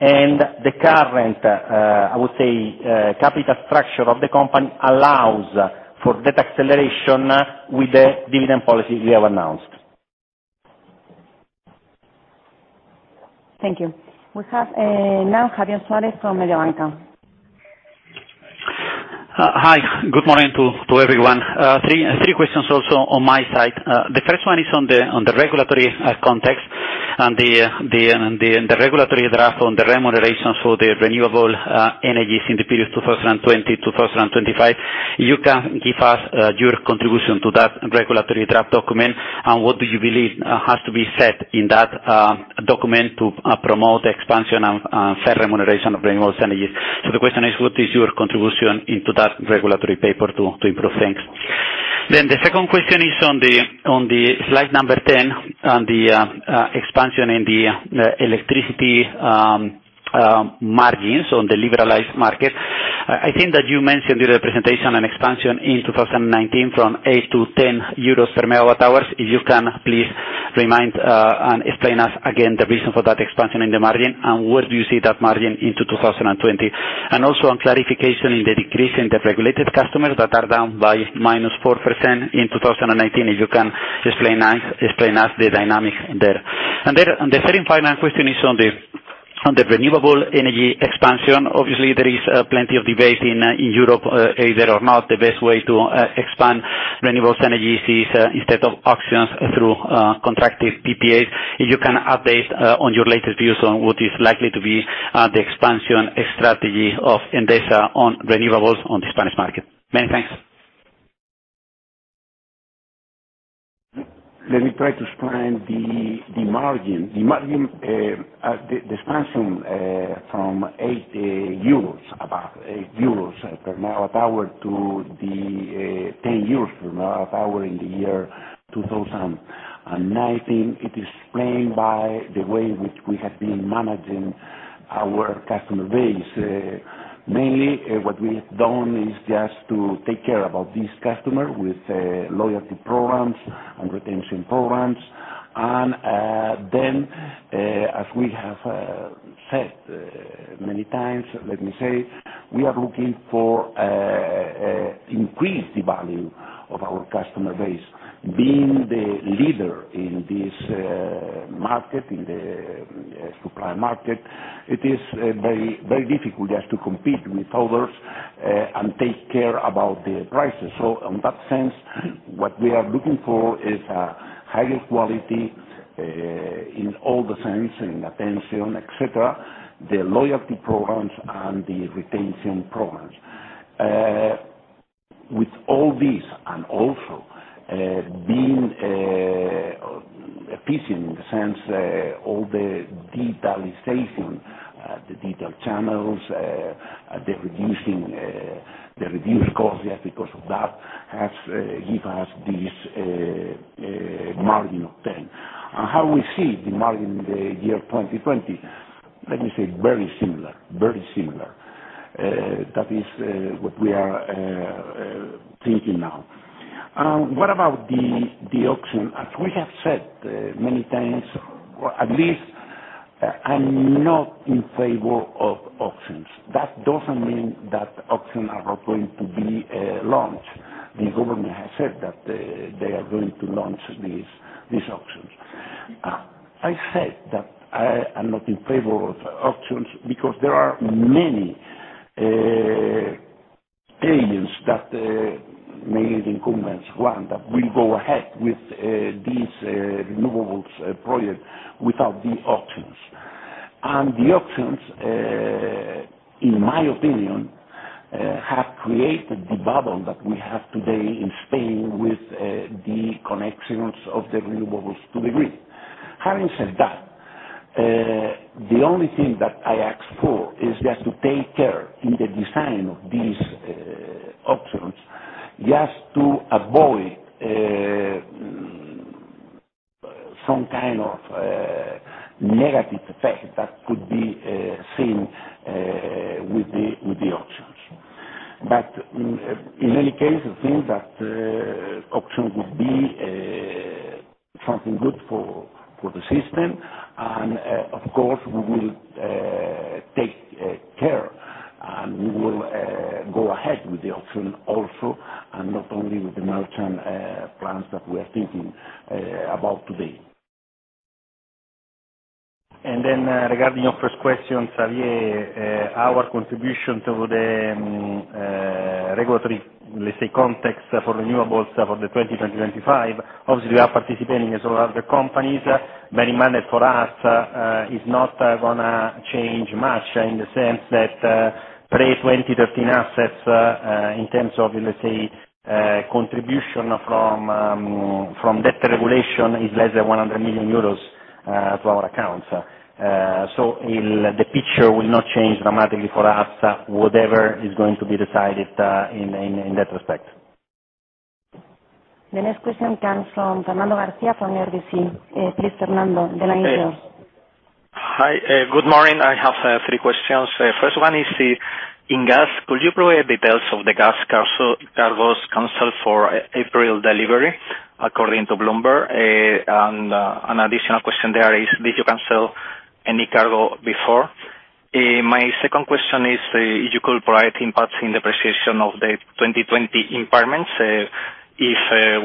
And the current, I would say, capital structure of the company allows for that acceleration with the dividend policy we have announced. Thank you. We have now Javier Suárez from Mediobanca. Hi. Good morning to everyone. Three questions also on my side. The first one is on the regulatory context and the regulatory draft on the remunerations for the renewable energies in the period 2020 to 2025. You can give us your contribution to that regulatory draft document and what do you believe has to be said in that document to promote the expansion and fair remuneration of renewable energies. So the question is, what is your contribution into that regulatory paper to improve things? Then the second question is on the slide number 10 on the expansion in the electricity margins on the liberalized market. I think that you mentioned during the presentation an expansion in 2019 from 8 to 10 euros per megawatt hours. If you can, please remind and explain us again the reason for that expansion in the margin and where do you see that margin into 2020. And also on clarification in the decrease in the regulated customers that are down by -4% in 2019, if you can explain us the dynamic there. The third and final question is on the renewable energy expansion. Obviously, there is plenty of debate in Europe, whether or not, the best way to expand renewable energies is instead of auctions through corporate PPAs. If you can update on your latest views on what is likely to be the expansion strategy of Endesa on renewables on the Spanish market. Many thanks. Let me try to explain the margin. The margin, the expansion from 8 euros, about 8 euros per megawatt hour to the 10 euros per megawatt hour in the year 2019, it is explained by the way which we have been managing our customer base. Mainly, what we have done is just to take care about these customers with loyalty programs and retention programs. And then, as we have said many times, let me say, we are looking for increased value of our customer base. Being the leader in this market, in the supply market, it is very difficult just to compete with others and take care about the prices. So in that sense, what we are looking for is higher quality in all the sense, in attention, etc., the loyalty programs and the retention programs. With all these, and also being efficient in the sense all the digitalization, the digital channels, the reduced cost just because of that has given us this margin of 10. And how we see the margin in the year 2020, let me say, very similar, very similar. That is what we are thinking now. What about the auction? As we have said many times, at least, I'm not in favor of auctions. That doesn't mean that auctions are not going to be launched. The government has said that they are going to launch these auctions. I said that I am not in favor of auctions because there are many agents that are incumbents that will go ahead with these renewables projects without the auctions, and the auctions, in my opinion, have created the bubble that we have today in Spain with the connections of the renewables to the grid. Having said that, the only thing that I ask for is just to take care in the design of these auctions just to avoid some kind of negative effect that could be seen with the auctions, but in any case, I think that auction would be something good for the system, and of course, we will take care and we will go ahead with the auction also and not only with the merchant plans that we are thinking about today. And then regarding your first question, Javier, our contribution to the regulatory, let's say, context for renewables for the 2020-25, obviously, we are participating as well as other companies. Bear in mind that for us, it's not going to change much in the sense that pre-2013 assets in terms of, let's say, contribution from that regulation is less than 100 million euros to our accounts. So the picture will not change dramatically for us, whatever is going to be decided in that respect. The next question comes from Fernando Garcia from RBC Capital Markets. Please, Fernando, the line is yours. Hi. Good morning. I have three questions. First one is in gas. Could you provide details of the gas cargoes canceled for April delivery according to Bloomberg? And an additional question there is, did you cancel any cargo before? My second question is, if you could provide impacts in the provision of the 2020 impairments if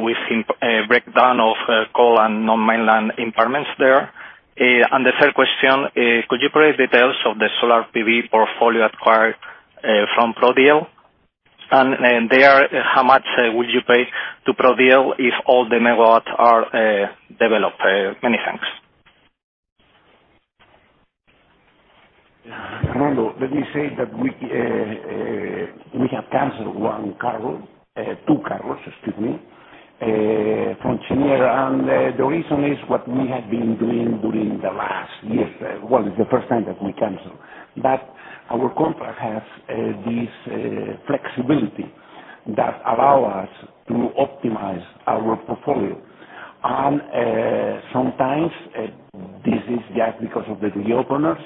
we've seen breakdown of coal and non-mainland impairments there. And the third question, could you provide details of the solar PV portfolio acquired from Prodiel? And there, how much would you pay to Prodiel if all the megawatts are developed? Many thanks. Fernando, let me say that we have canceled one cargo, two cargos, excuse me, from Cheniere. And the reason is what we have been doing during the last year. Well, it's the first time that we canceled. But our contract has this flexibility that allows us to optimize our portfolio. And sometimes this is just because of the reopeners.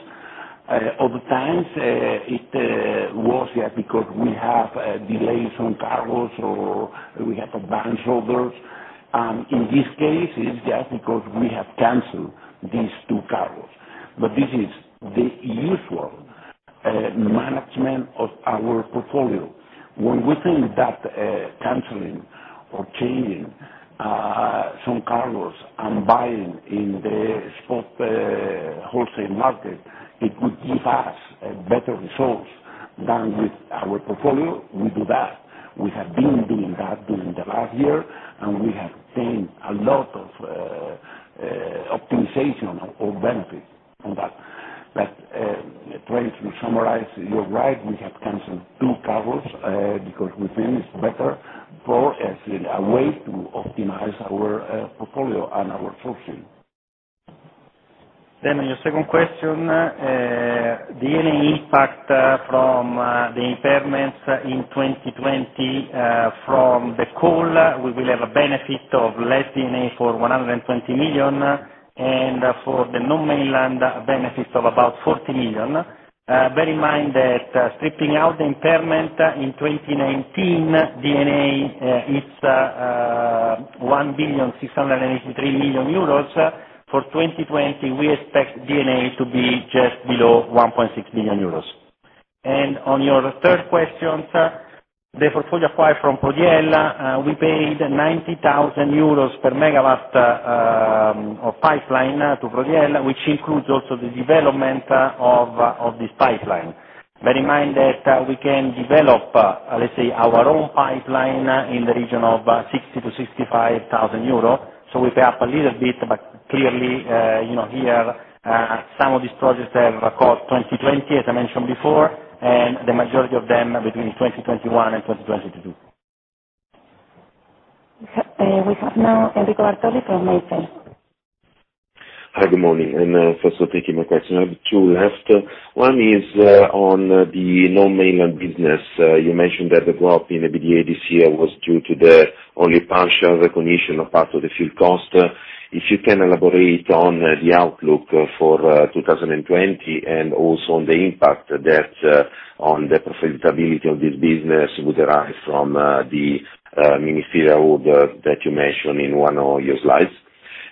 Other times, it was just because we have delays on cargos or we have advanced orders. And in this case, it's just because we have canceled these two cargos. But this is the usual management of our portfolio. When we think that canceling or changing some cargos and buying in the spot wholesale market, it would give us a better result than with our portfolio. We do that. We have been doing that during the last year, and we have gained a lot of optimization or benefit from that. But trying to summarize, you're right, we have canceled two cargos because we think it's better for a way to optimize our portfolio and our sourcing. Then on your second question, the D&A impact from the impairments in 2020 from the coal, we will have a benefit of less D&A for 120 million and for the non-mainland benefit of about 40 million. Bear in mind that stripping out the impairment in 2019, D&A is 1 billion 683 million. For 2020, we expect D&A to be just below 1.6 billion euros. And on your third question, the portfolio acquired from Prodiel, we paid 90,000 euros per megawatt of pipeline to Prodiel, which includes also the development of this pipeline. Bear in mind that we can develop, let's say, our own pipeline in the region of 60,000 to 65,000 euros. So we pay up a little bit, but clearly, here, some of these projects have COD 2020, as I mentioned before, and the majority of them between 2021 and 2022. We have now Enrico Bartoli from MainFirst. Hi, good morning. And thanks for taking my question. I have two left. One is on the non-mainland business. You mentioned that the drop in the EBITDA this year was due to the only partial recognition of part of the fuel cost. If you can elaborate on the outlook for 2020 and also on the impact that on the profitability of this business would arise from the ministerial order that you mentioned in one of your slides?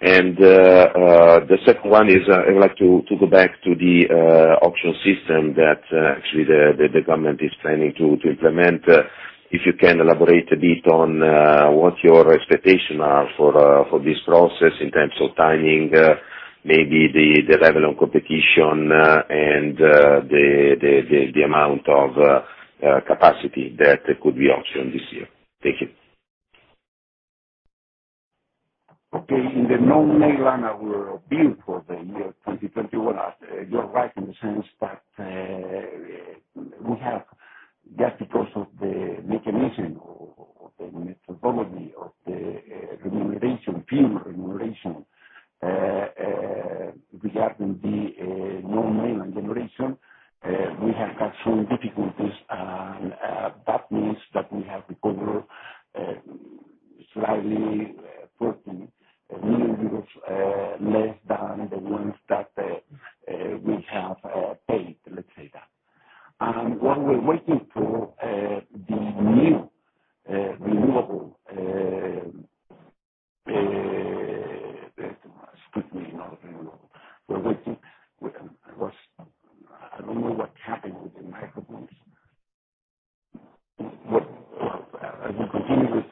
The second one is I would like to go back to the auction system that actually the government is planning to implement. If you can elaborate a bit on what your expectations are for this process in terms of timing, maybe the level of competition, and the amount of capacity that could be auctioned this year. Thank you. Okay. In the non-mainland area, we're built for the year 2021. You're right in the sense that we have, just because of the mechanism or the methodology of the remuneration, fuel remuneration, regarding the non-mainland generation, we have had some difficulties. That means that we have recovered slightly 14 million EUR less than the ones that we have paid, let's say that. While we're waiting for the new renewable excuse me, not renewable. We're waiting. I don't know what happened with the microphones. Well, as we continue with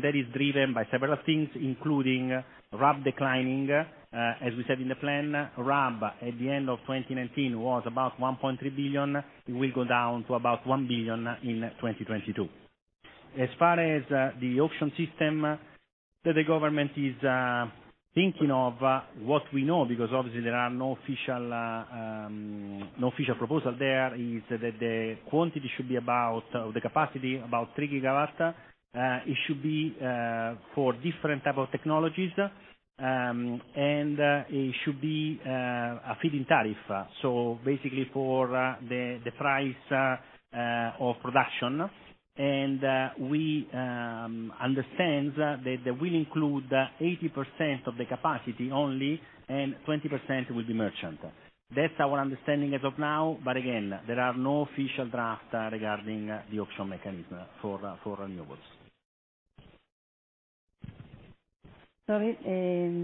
That is driven by several things, including RAB declining. As we said in the plan, RAB at the end of 2019 was about 1.3 billion. It will go down to about 1 billion in 2022. As far as the auction system that the government is thinking of, what we know, because obviously there are no official proposals there, is that the quantity should be about the capacity, about 3 gigawatts. It should be for different types of technologies, and it should be a feed-in tariff. So basically for the price of production. And we understand that they will include 80% of the capacity only, and 20% will be merchant. That's our understanding as of now. But again, there are no official drafts regarding the auction mechanism for renewables. Sorry,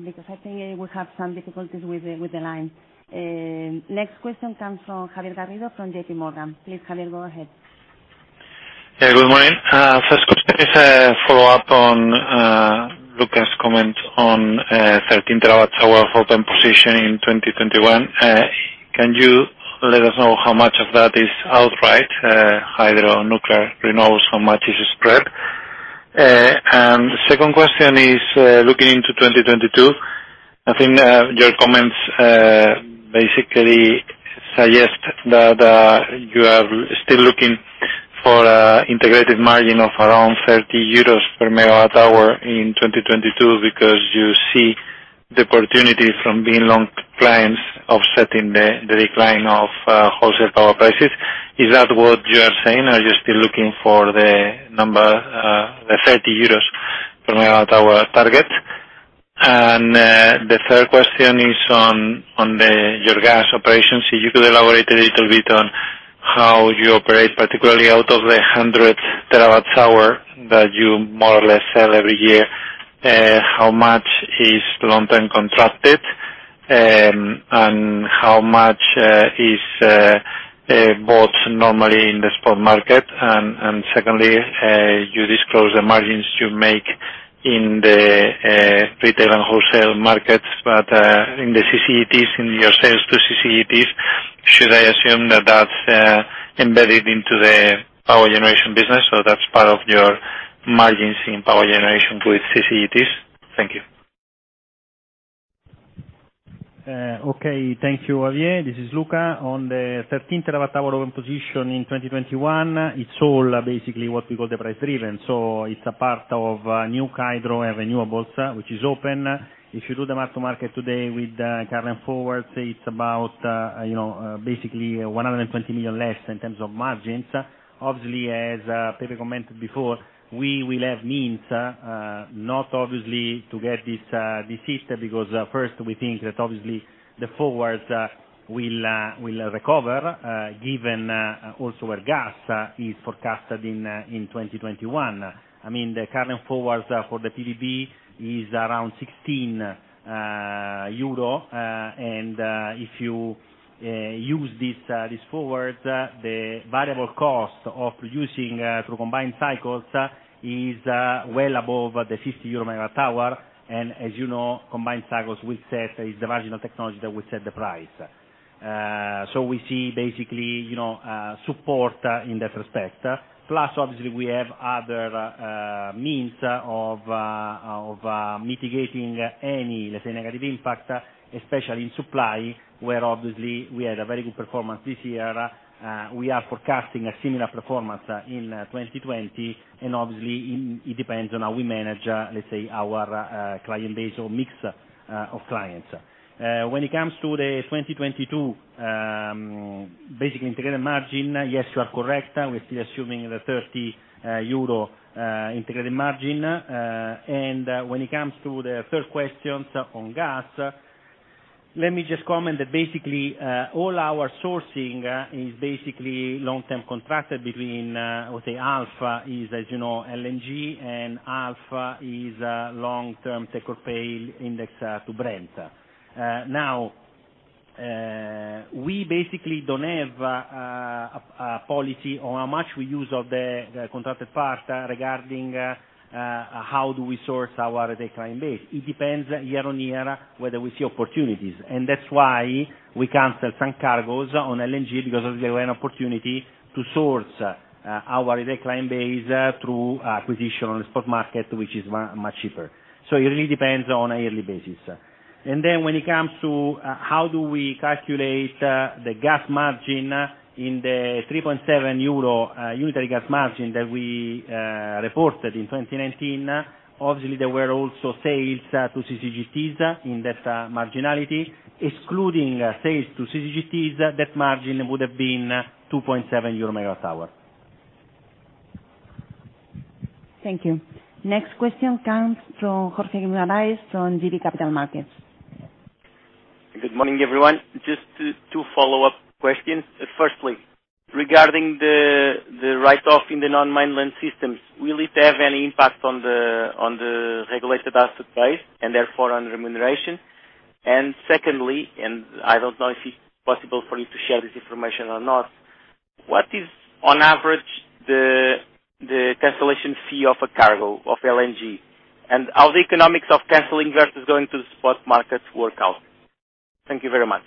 because I think we have some difficulties with the line. Next question comes from Javier Garrido from J.P. Morgan. Please, Javier, go ahead. Yeah, good morning. First question is a follow-up on Luca's comment on 13 terawatt hour open position in 2021. Can you let us know how much of that is outright hydro, nuclear, renewables, how much is spread? And the second question is looking into 2022. I think your comments basically suggest that you are still looking for an integrated margin of around 30 euros per megawatt-hour in 2022 because you see the opportunity from being long clients of setting the decline of wholesale power prices. Is that what you are saying, or are you still looking for the 30 euros per megawatt-hour target? And the third question is on your gas operations. If you could elaborate a little bit on how you operate, particularly out of the 100 terawatt-hour that you more or less sell every year, how much is long-term contracted, and how much is bought normally in the spot market? Secondly, you disclose the margins you make in the retail and wholesale markets, but in the CCGTs, in your sales to CCGTs, should I assume that that's embedded into the power generation business, or that's part of your margins in power generation with CCGTs? Thank you. Okay. Thank you, Javier. This is Luca. On the 13 terawatt-hour open position in 2021, it's all basically what we call the price-driven. So it's a part of a new hydro and renewables which is open. If you do the mark-to-market today with Calendar Forwards, it's about basically 120 million less in terms of margins. Obviously, as Pepe commented before, we will have means, obviously not to get this hit because first, we think that obviously the forwards will recover given also where gas is forecasted in 2021. I mean, the Calendar Forwards for the PVB is around EUR 16. And if you use this forward, the variable cost of producing through combined cycles is well above the 50 euro megawatt-hour. And as you know, combined cycles will set the marginal technology that will set the price. So we see basically support in that respect. Plus, obviously, we have other means of mitigating any, let's say, negative impact, especially in supply, where obviously we had a very good performance this year. We are forecasting a similar performance in 2020. And obviously, it depends on how we manage, let's say, our client base or mix of clients. When it comes to the 2022 basically integrated margin, yes, you are correct. We're still assuming the 30 euro integrated margin. When it comes to the third questions on gas, let me just comment that basically all our sourcing is basically long-term contracted between, I would say, Algeria, as you know, LNG, and Algeria long-term take-or-pay index to Brent. Now, we basically don't have a policy on how much we use of the contracted part regarding how do we source our retail client base. It depends year on year whether we see opportunities. And that's why we cancel some cargos on LNG because there was an opportunity to source our retail client base through acquisition on the spot market, which is much cheaper. So it really depends on a yearly basis. And then when it comes to how do we calculate the gas margin in the 3.7 euro unitary gas margin that we reported in 2019, obviously, there were also sales to CCGTs in that marginality. Excluding sales to CCGTs, that margin would have been 2.7 EUR/MWh. Thank you. Next question comes from Jorge Guimarães from JB Capital Markets. Good morning, everyone. Just two follow-up questions. Firstly, regarding the write-off in the non-mainland systems, will it have any impact on the regulated asset price and therefore on remuneration? And secondly, and I don't know if it's possible for you to share this information or not, what is, on average, the cancellation fee of a cargo of LNG? And how the economics of cancelling versus going to the spot markets work out? Thank you very much.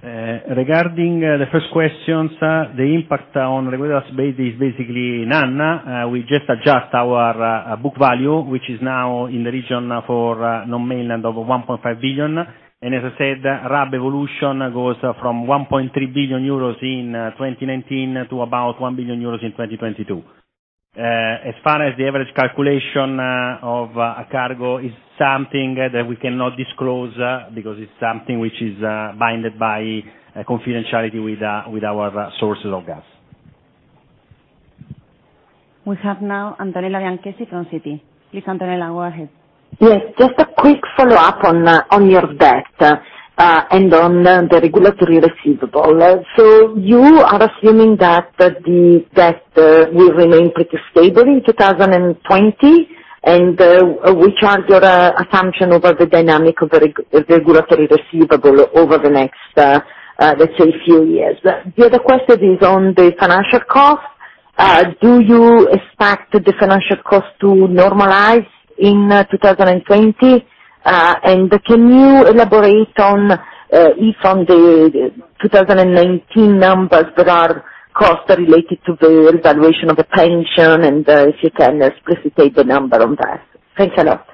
Regarding the first questions, the impact on regulated asset base is basically none. We just adjust our book value, which is now in the region for non-mainland of 1.5 billion EUR. And as I said, RAB evolution goes from 1.3 billion euros in 2019 to about 1 billion euros in 2022. As far as the average calculation of a cargo is something that we cannot disclose because it's something which is bound by confidentiality with our sources of gas. We have now Antonella Bianchessi from Citi. Please, Antonella, go ahead. Yes. Just a quick follow-up on your debt and on the regulatory receivable. So you are assuming that the debt will remain pretty stable in 2020, and which are your assumptions over the dynamic of the regulatory receivable over the next, let's say, few years? The other question is on the financial cost. Do you expect the financial cost to normalize in 2020? And can you elaborate on, if on the 2019 numbers, there are costs related to the evaluation of the pension and if you can explicitate the number on that? Thanks a lot.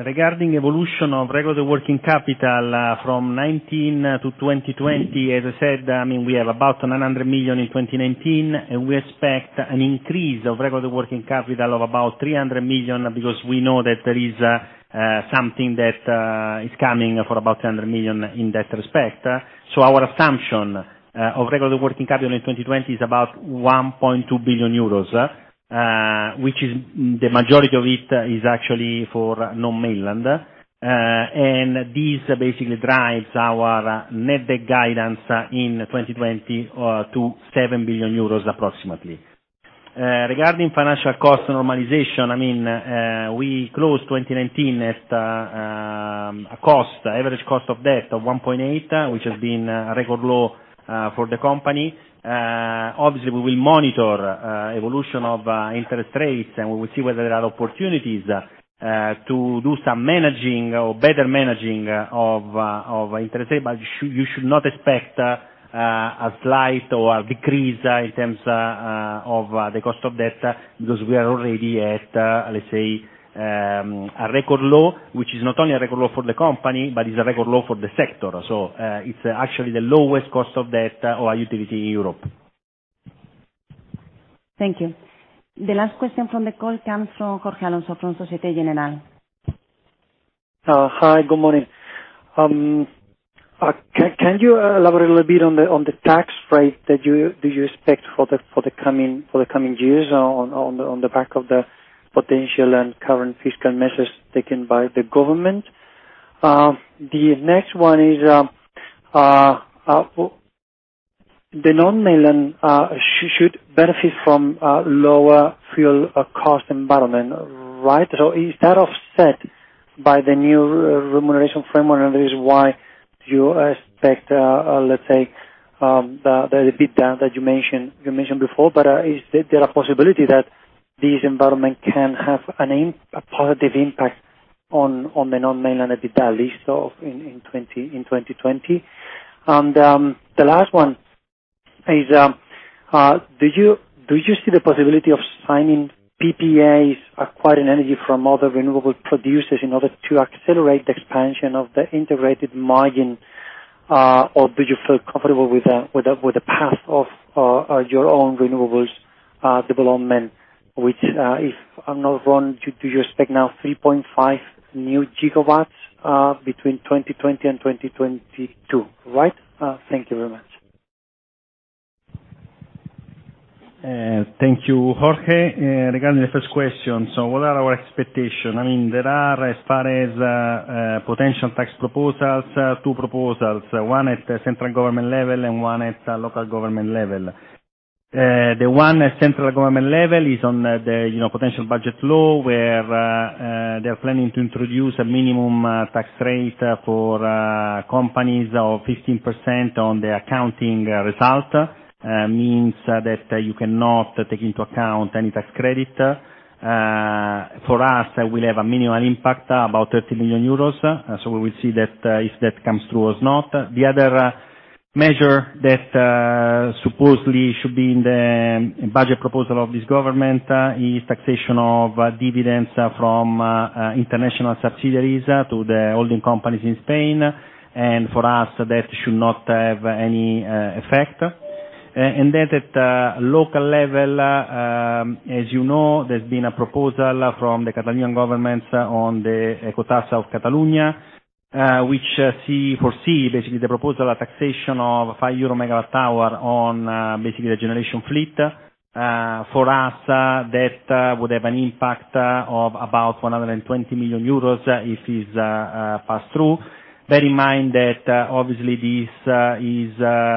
Regarding evolution of regulated working capital from 2019 to 2020, as I said, I mean, we have about 900 million in 2019, and we expect an increase of regulated working capital of about 300 million because we know that there is something that is coming for about 300 million in that respect. So our assumption of regulated working capital in 2020 is about 1.2 billion euros, which is the majority of it is actually for non-mainland. And this basically drives our net debt guidance in 2020 to 7 billion euros approximately. Regarding financial cost normalization, I mean, we closed 2019 at an average cost of debt of 1.8, which has been a record low for the company. Obviously, we will monitor evolution of interest rates, and we will see whether there are opportunities to do some managing or better managing of interest rates. But you should not expect a slight or a decrease in terms of the cost of debt because we are already at, let's say, a record low, which is not only a record low for the company, but it's a record low for the sector. So it's actually the lowest cost of debt or utility in Europe. Thank you. The last question from the call comes from Jorge Alonso from Société Générale. Hi, good morning. Can you elaborate a little bit on the tax rate that you expect for the coming years on the back of the potential and current fiscal measures taken by the government? The next one is the non-mainland should benefit from lower fuel cost environment, right? So is that offset by the new remuneration framework, and that is why you expect, let's say, the EBITDA that you mentioned before? But is there a possibility that this environment can have a positive impact on the non-mainland and the daily in 2020? And the last one is, do you see the possibility of signing PPAs acquiring energy from other renewable producers in order to accelerate the expansion of the integrated margin, or do you feel comfortable with the path of your own renewables development, which, if I'm not wrong, do you expect now 3.5 gigawatts between 2020 and 2022, right? Thank you very much. Thank you, Jorge. Regarding the first question, so what are our expectations? I mean, there are, as far as potential tax proposals, two proposals, one at the central government level and one at the local government level. The one at central government level is on the potential budget law where they are planning to introduce a minimum tax rate for companies of 15% on the accounting result. It means that you cannot take into account any tax credit. For us, we'll have a minimal impact, about 30 million euros, so we will see if that comes through or not. The other measure that supposedly should be in the budget proposal of this government is taxation of dividends from international subsidiaries to the holding companies in Spain, and for us, that should not have any effect, and then at the local level, as you know, there's been a proposal from the Catalan government on the ecotasa of Catalonia, which foresee basically the proposal of taxation of 5 euro megawatt-hour on basically the generation fleet. For us, that would have an impact of about 120 million euros if it's passed through. Bear in mind that obviously this is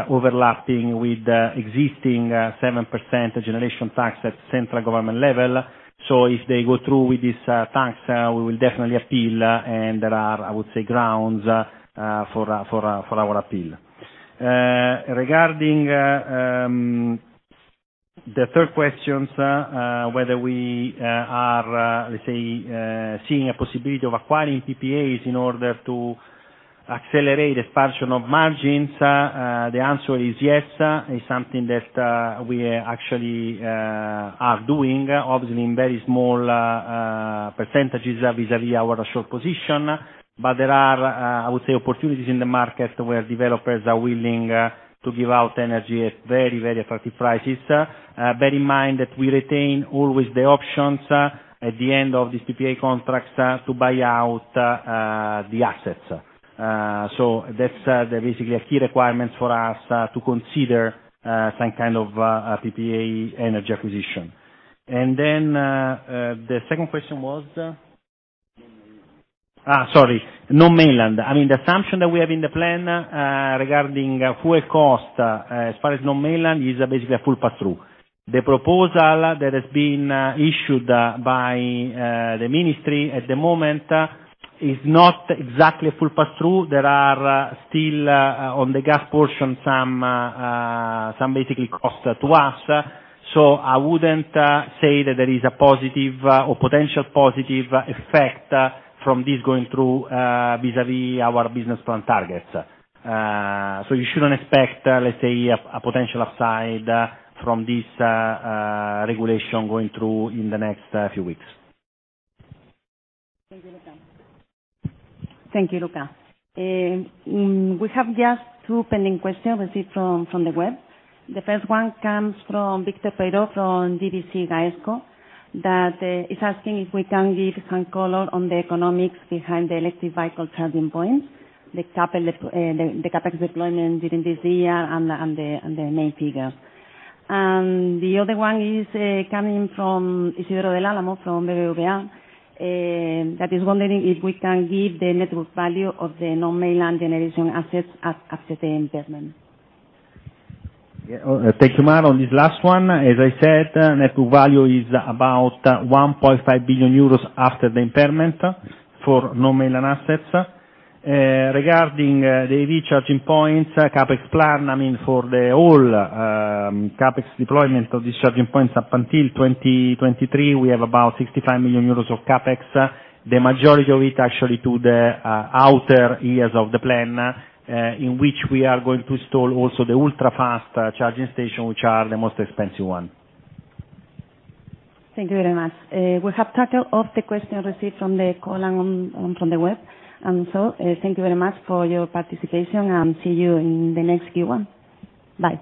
overlapping with the existing 7% generation tax at central government level. So if they go through with this tax, we will definitely appeal, and there are, I would say, grounds for our appeal. Regarding the third question, whether we are, let's say, seeing a possibility of acquiring PPAs in order to accelerate expansion of margins, the answer is yes. It's something that we actually are doing, obviously in very small percentages vis-à-vis our short position. But there are, I would say, opportunities in the market where developers are willing to give out energy at very, very attractive prices. Bear in mind that we retain always the options at the end of these PPA contracts to buy out the assets. So that's basically a key requirement for us to consider some kind of PPA energy acquisition. And then the second question was, sorry, non-mainland. I mean, the assumption that we have in the plan regarding fuel cost as far as non-mainland is basically a full pass-through. The proposal that has been issued by the ministry at the moment is not exactly a full pass-through. There are still, on the gas portion, some basic costs to us. So I wouldn't say that there is a positive or potential positive effect from this going through vis-à-vis our business plan targets. So you shouldn't expect, let's say, a potential upside from this regulation going through in the next few weeks. Thank you, Luca. Thank you, Luca. We have just two pending questions, let's see, from the web. The first one comes from Victor Peiro from GVC Gaesco that is asking if we can give some color on the economics behind the electric vehicle charging points, the CapEx deployment during this year and the main figures. And the other one is coming from Isidoro Del Álamo from BBVA that is wondering if we can give the network value of the non-mainland generation assets after the impairment. Thank you, Mar. On this last one, as I said, network value is about 1.5 billion euros after the impairment for non-mainland assets. Regarding the EV charging points, CapEx plan, I mean, for the whole CapEx deployment of these charging points up until 2023, we have about 65 million euros of CapEx, the majority of it actually to the outer years of the plan in which we are going to install also the ultra-fast charging stations, which are the most expensive one. Thank you very much. We have taken all the questions received from the call and from the web. And so thank you very much for your participation, and see you in the next Q1. Bye.